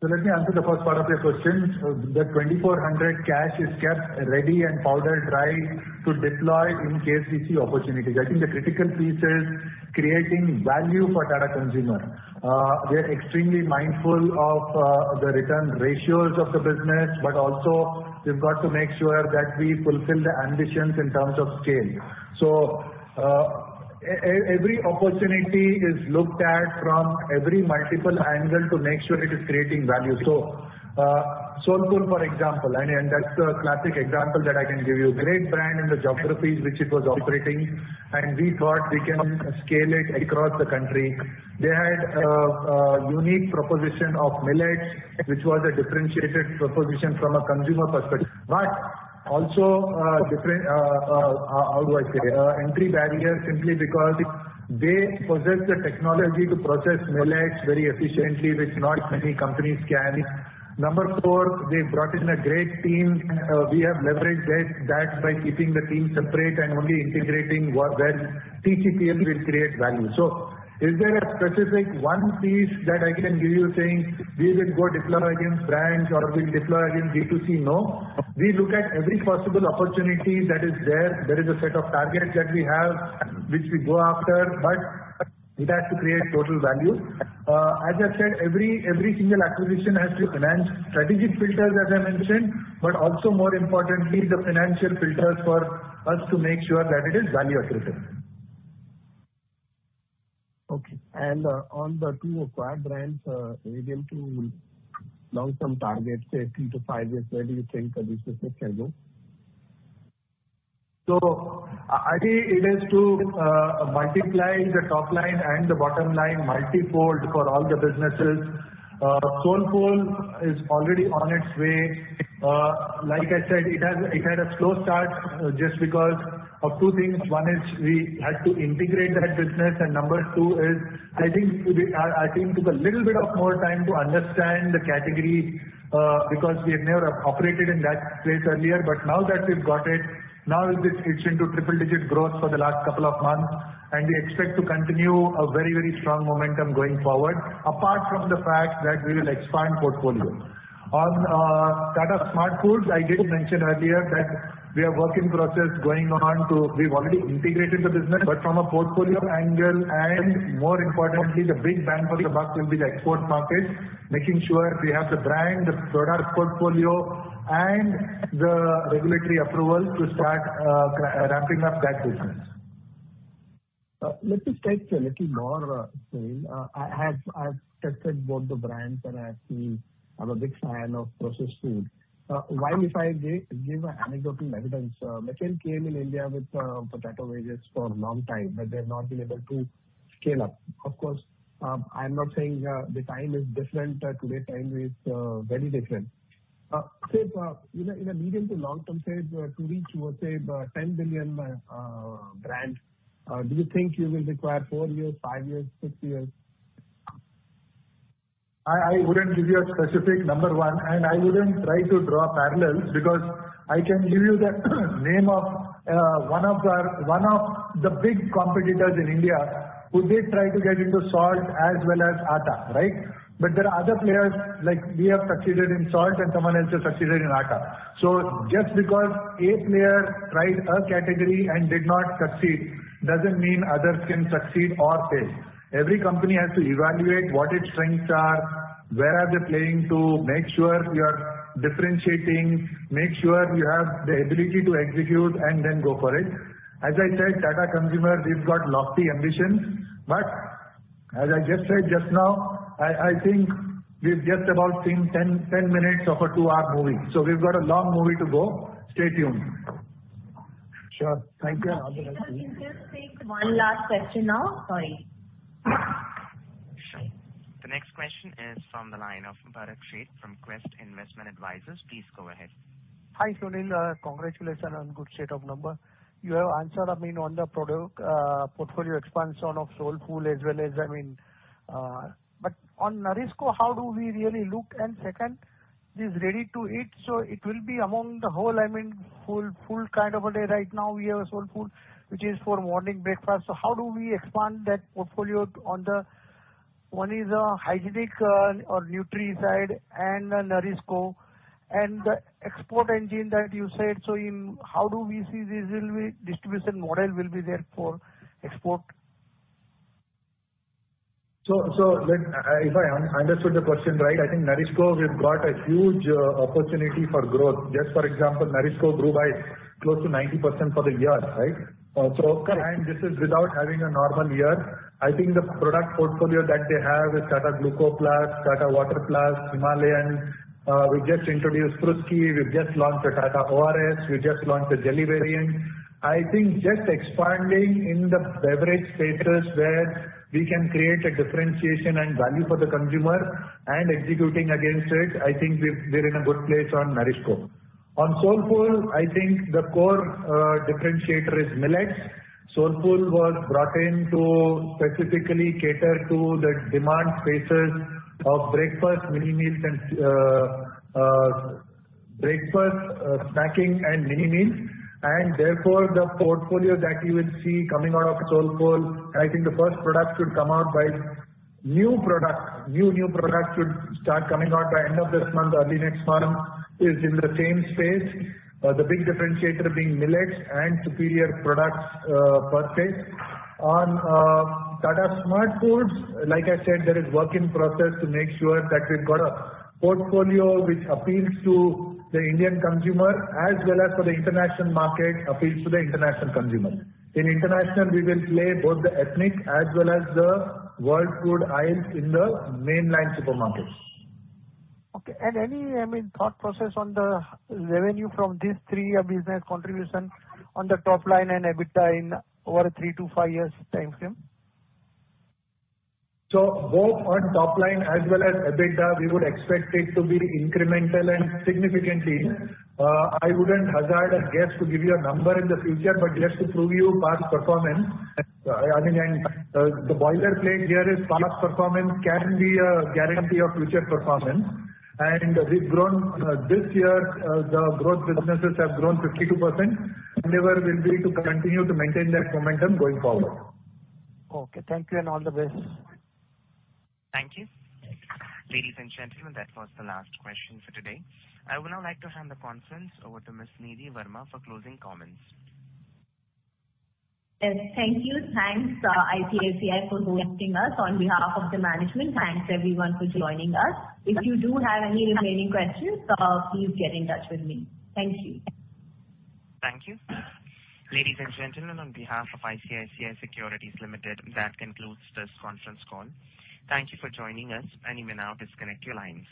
Let me answer the first part of your question. The 2,400 cash is kept ready and powder dry to deploy in case we see opportunities. I think the critical piece is creating value for Tata Consumer. We are extremely mindful of the return ratios of the business, but also we've got to make sure that we fulfill the ambitions in terms of scale. Every opportunity is looked at from every multiple angle to make sure it is creating value. Soulfull for example, and that's a classic example that I can give you. Great brand in the geographies which it was operating, and we thought we can scale it across the country. They had a unique proposition of millets, which was a differentiated proposition from a consumer perspective. Also, different entry barriers, simply because they possess the technology to process millets very efficiently, which not many companies can. Number four, they brought in a great team. We have leveraged that by keeping the team separate and only integrating where TCPL will create value. Is there a specific one piece that I can give you saying we will go deploy against brands or we'll deploy against B2C? No. We look at every possible opportunity that is there. There is a set of targets that we have, which we go after, but it has to create total value. As I said, every single acquisition has to pass strategic filters, as I mentioned, but also more importantly, the financial filters for us to make sure that it is value accretive. On the two acquired brands, medium to long term targets, say three to five years, where do you think the business can go? I think it is to multiply the top line and the bottom line multifold for all the businesses. Soulfull is already on its way. Like I said, it had a slow start just because of two things. One is we had to integrate that business, and number two is I think we took a little bit of more time to understand the category, because we have never operated in that space earlier. Now that we've got it, now it is into triple digit growth for the last couple of months, and we expect to continue a very, very strong momentum going forward, apart from the fact that we will expand portfolio. On Tata SmartFoodz, I did mention earlier that we have work in progress going on to... We've already integrated the business, but from a portfolio angle, and more importantly, the big bang for the buck will be the export markets, making sure we have the brand, the product portfolio, and the regulatory approval to start wrapping up that business. Let me take a little more, Sunil. I have tested both the brands and I feel I'm a big fan of processed food. Why, if I give anecdotal evidence, McCain came in India with potato wedges for long time, but they've not been able to scale up. Of course, I'm not saying the time is different. Today time is very different. Say, in a medium- to long-term, say, to reach, say, 10 billion brand, do you think you will require four years, five years, six years? I wouldn't give you a specific number one, and I wouldn't try to draw parallels because I can give you the name of one of the big competitors in India who did try to get into salt as well as atta, right? There are other players like we have succeeded in salt and someone else has succeeded in atta. Just because a player tried a category and did not succeed doesn't mean others can succeed or fail. Every company has to evaluate what its strengths are, where are they playing to make sure you are differentiating, make sure you have the ability to execute, and then go for it. As I said, Tata Consumer, we've got lofty ambitions, but as I just said just now, I think we've just about seen 10 minutes of a two-hour movie. We've got a long movie to go. Stay tuned. Sure. Thank you. Have a good day. We can just take one last question now. Sorry. Is from the line of Bharat Sheth from Quest Investment Advisors. Please go ahead. Hi, Sunil. Congratulations on good set of numbers. You have answered, I mean, on the product portfolio expansion of Soulfull as well as, I mean. On NourishCo, how do we really look? Second, this ready-to-eat, so it will be among the whole, I mean, full kind of a way. Right now we have Soulfull, which is for morning breakfast. How do we expand that portfolio on the one is hygienic or nutri side and then NourishCo. The export engine that you said, so in how do we see this distribution model will be there for export? If I understood the question right, I think NourishCo, we've got a huge opportunity for growth. Just for example, NourishCo grew by close to 90% for the year, right? Okay. This is without having a normal year. I think the product portfolio that they have with Tata Gluco+, Tata Copper+, Himalayan, we just introduced Fruski, we've just launched the Tata ORS+, we just launched the jelly variant. I think just expanding in the beverage spaces where we can create a differentiation and value for the consumer and executing against it, I think we're in a good place on NourishCo. On Soulfull, I think the core differentiator is millets. Soulfull was brought in to specifically cater to the demand spaces of breakfast, snacking and mini meals. Therefore, the portfolio that you will see coming out of Soulfull, I think the first product should come out by... New product should start coming out by end of this month, early next month, is in the same space, the big differentiator being millet and superior products, per se. On Tata SmartFoodz, like I said, there is work in process to make sure that we've got a portfolio which appeals to the Indian consumer as well as for the international market, appeals to the international consumer. In international, we will play both the ethnic as well as the world food aisles in the mainline supermarkets. Okay. Any, I mean, thought process on the revenue from these three business contribution on the top line and EBITDA in over three to five years timeframe? Both on top line as well as EBITDA, we would expect it to be incremental and significant. I wouldn't hazard a guess to give you a number in the future, but just to prove to you past performance, I mean, the boilerplate here is past performance is not a guarantee of future performance. We've grown this year, the growth businesses have grown 52%. Our endeavor will be to continue to maintain that momentum going forward. Okay. Thank you, and all the best. Thank you. Ladies and gentlemen, that was the last question for today. I would now like to hand the conference over to Ms. Nidhi Verma for closing comments. Yes, thank you. Thanks, ICICI for hosting us. On behalf of the management, thanks everyone for joining us. If you do have any remaining questions, please get in touch with me. Thank you. Thank you. Ladies and gentlemen, on behalf of ICICI Securities Limited, that concludes this conference call. Thank you for joining us. You may now disconnect your lines.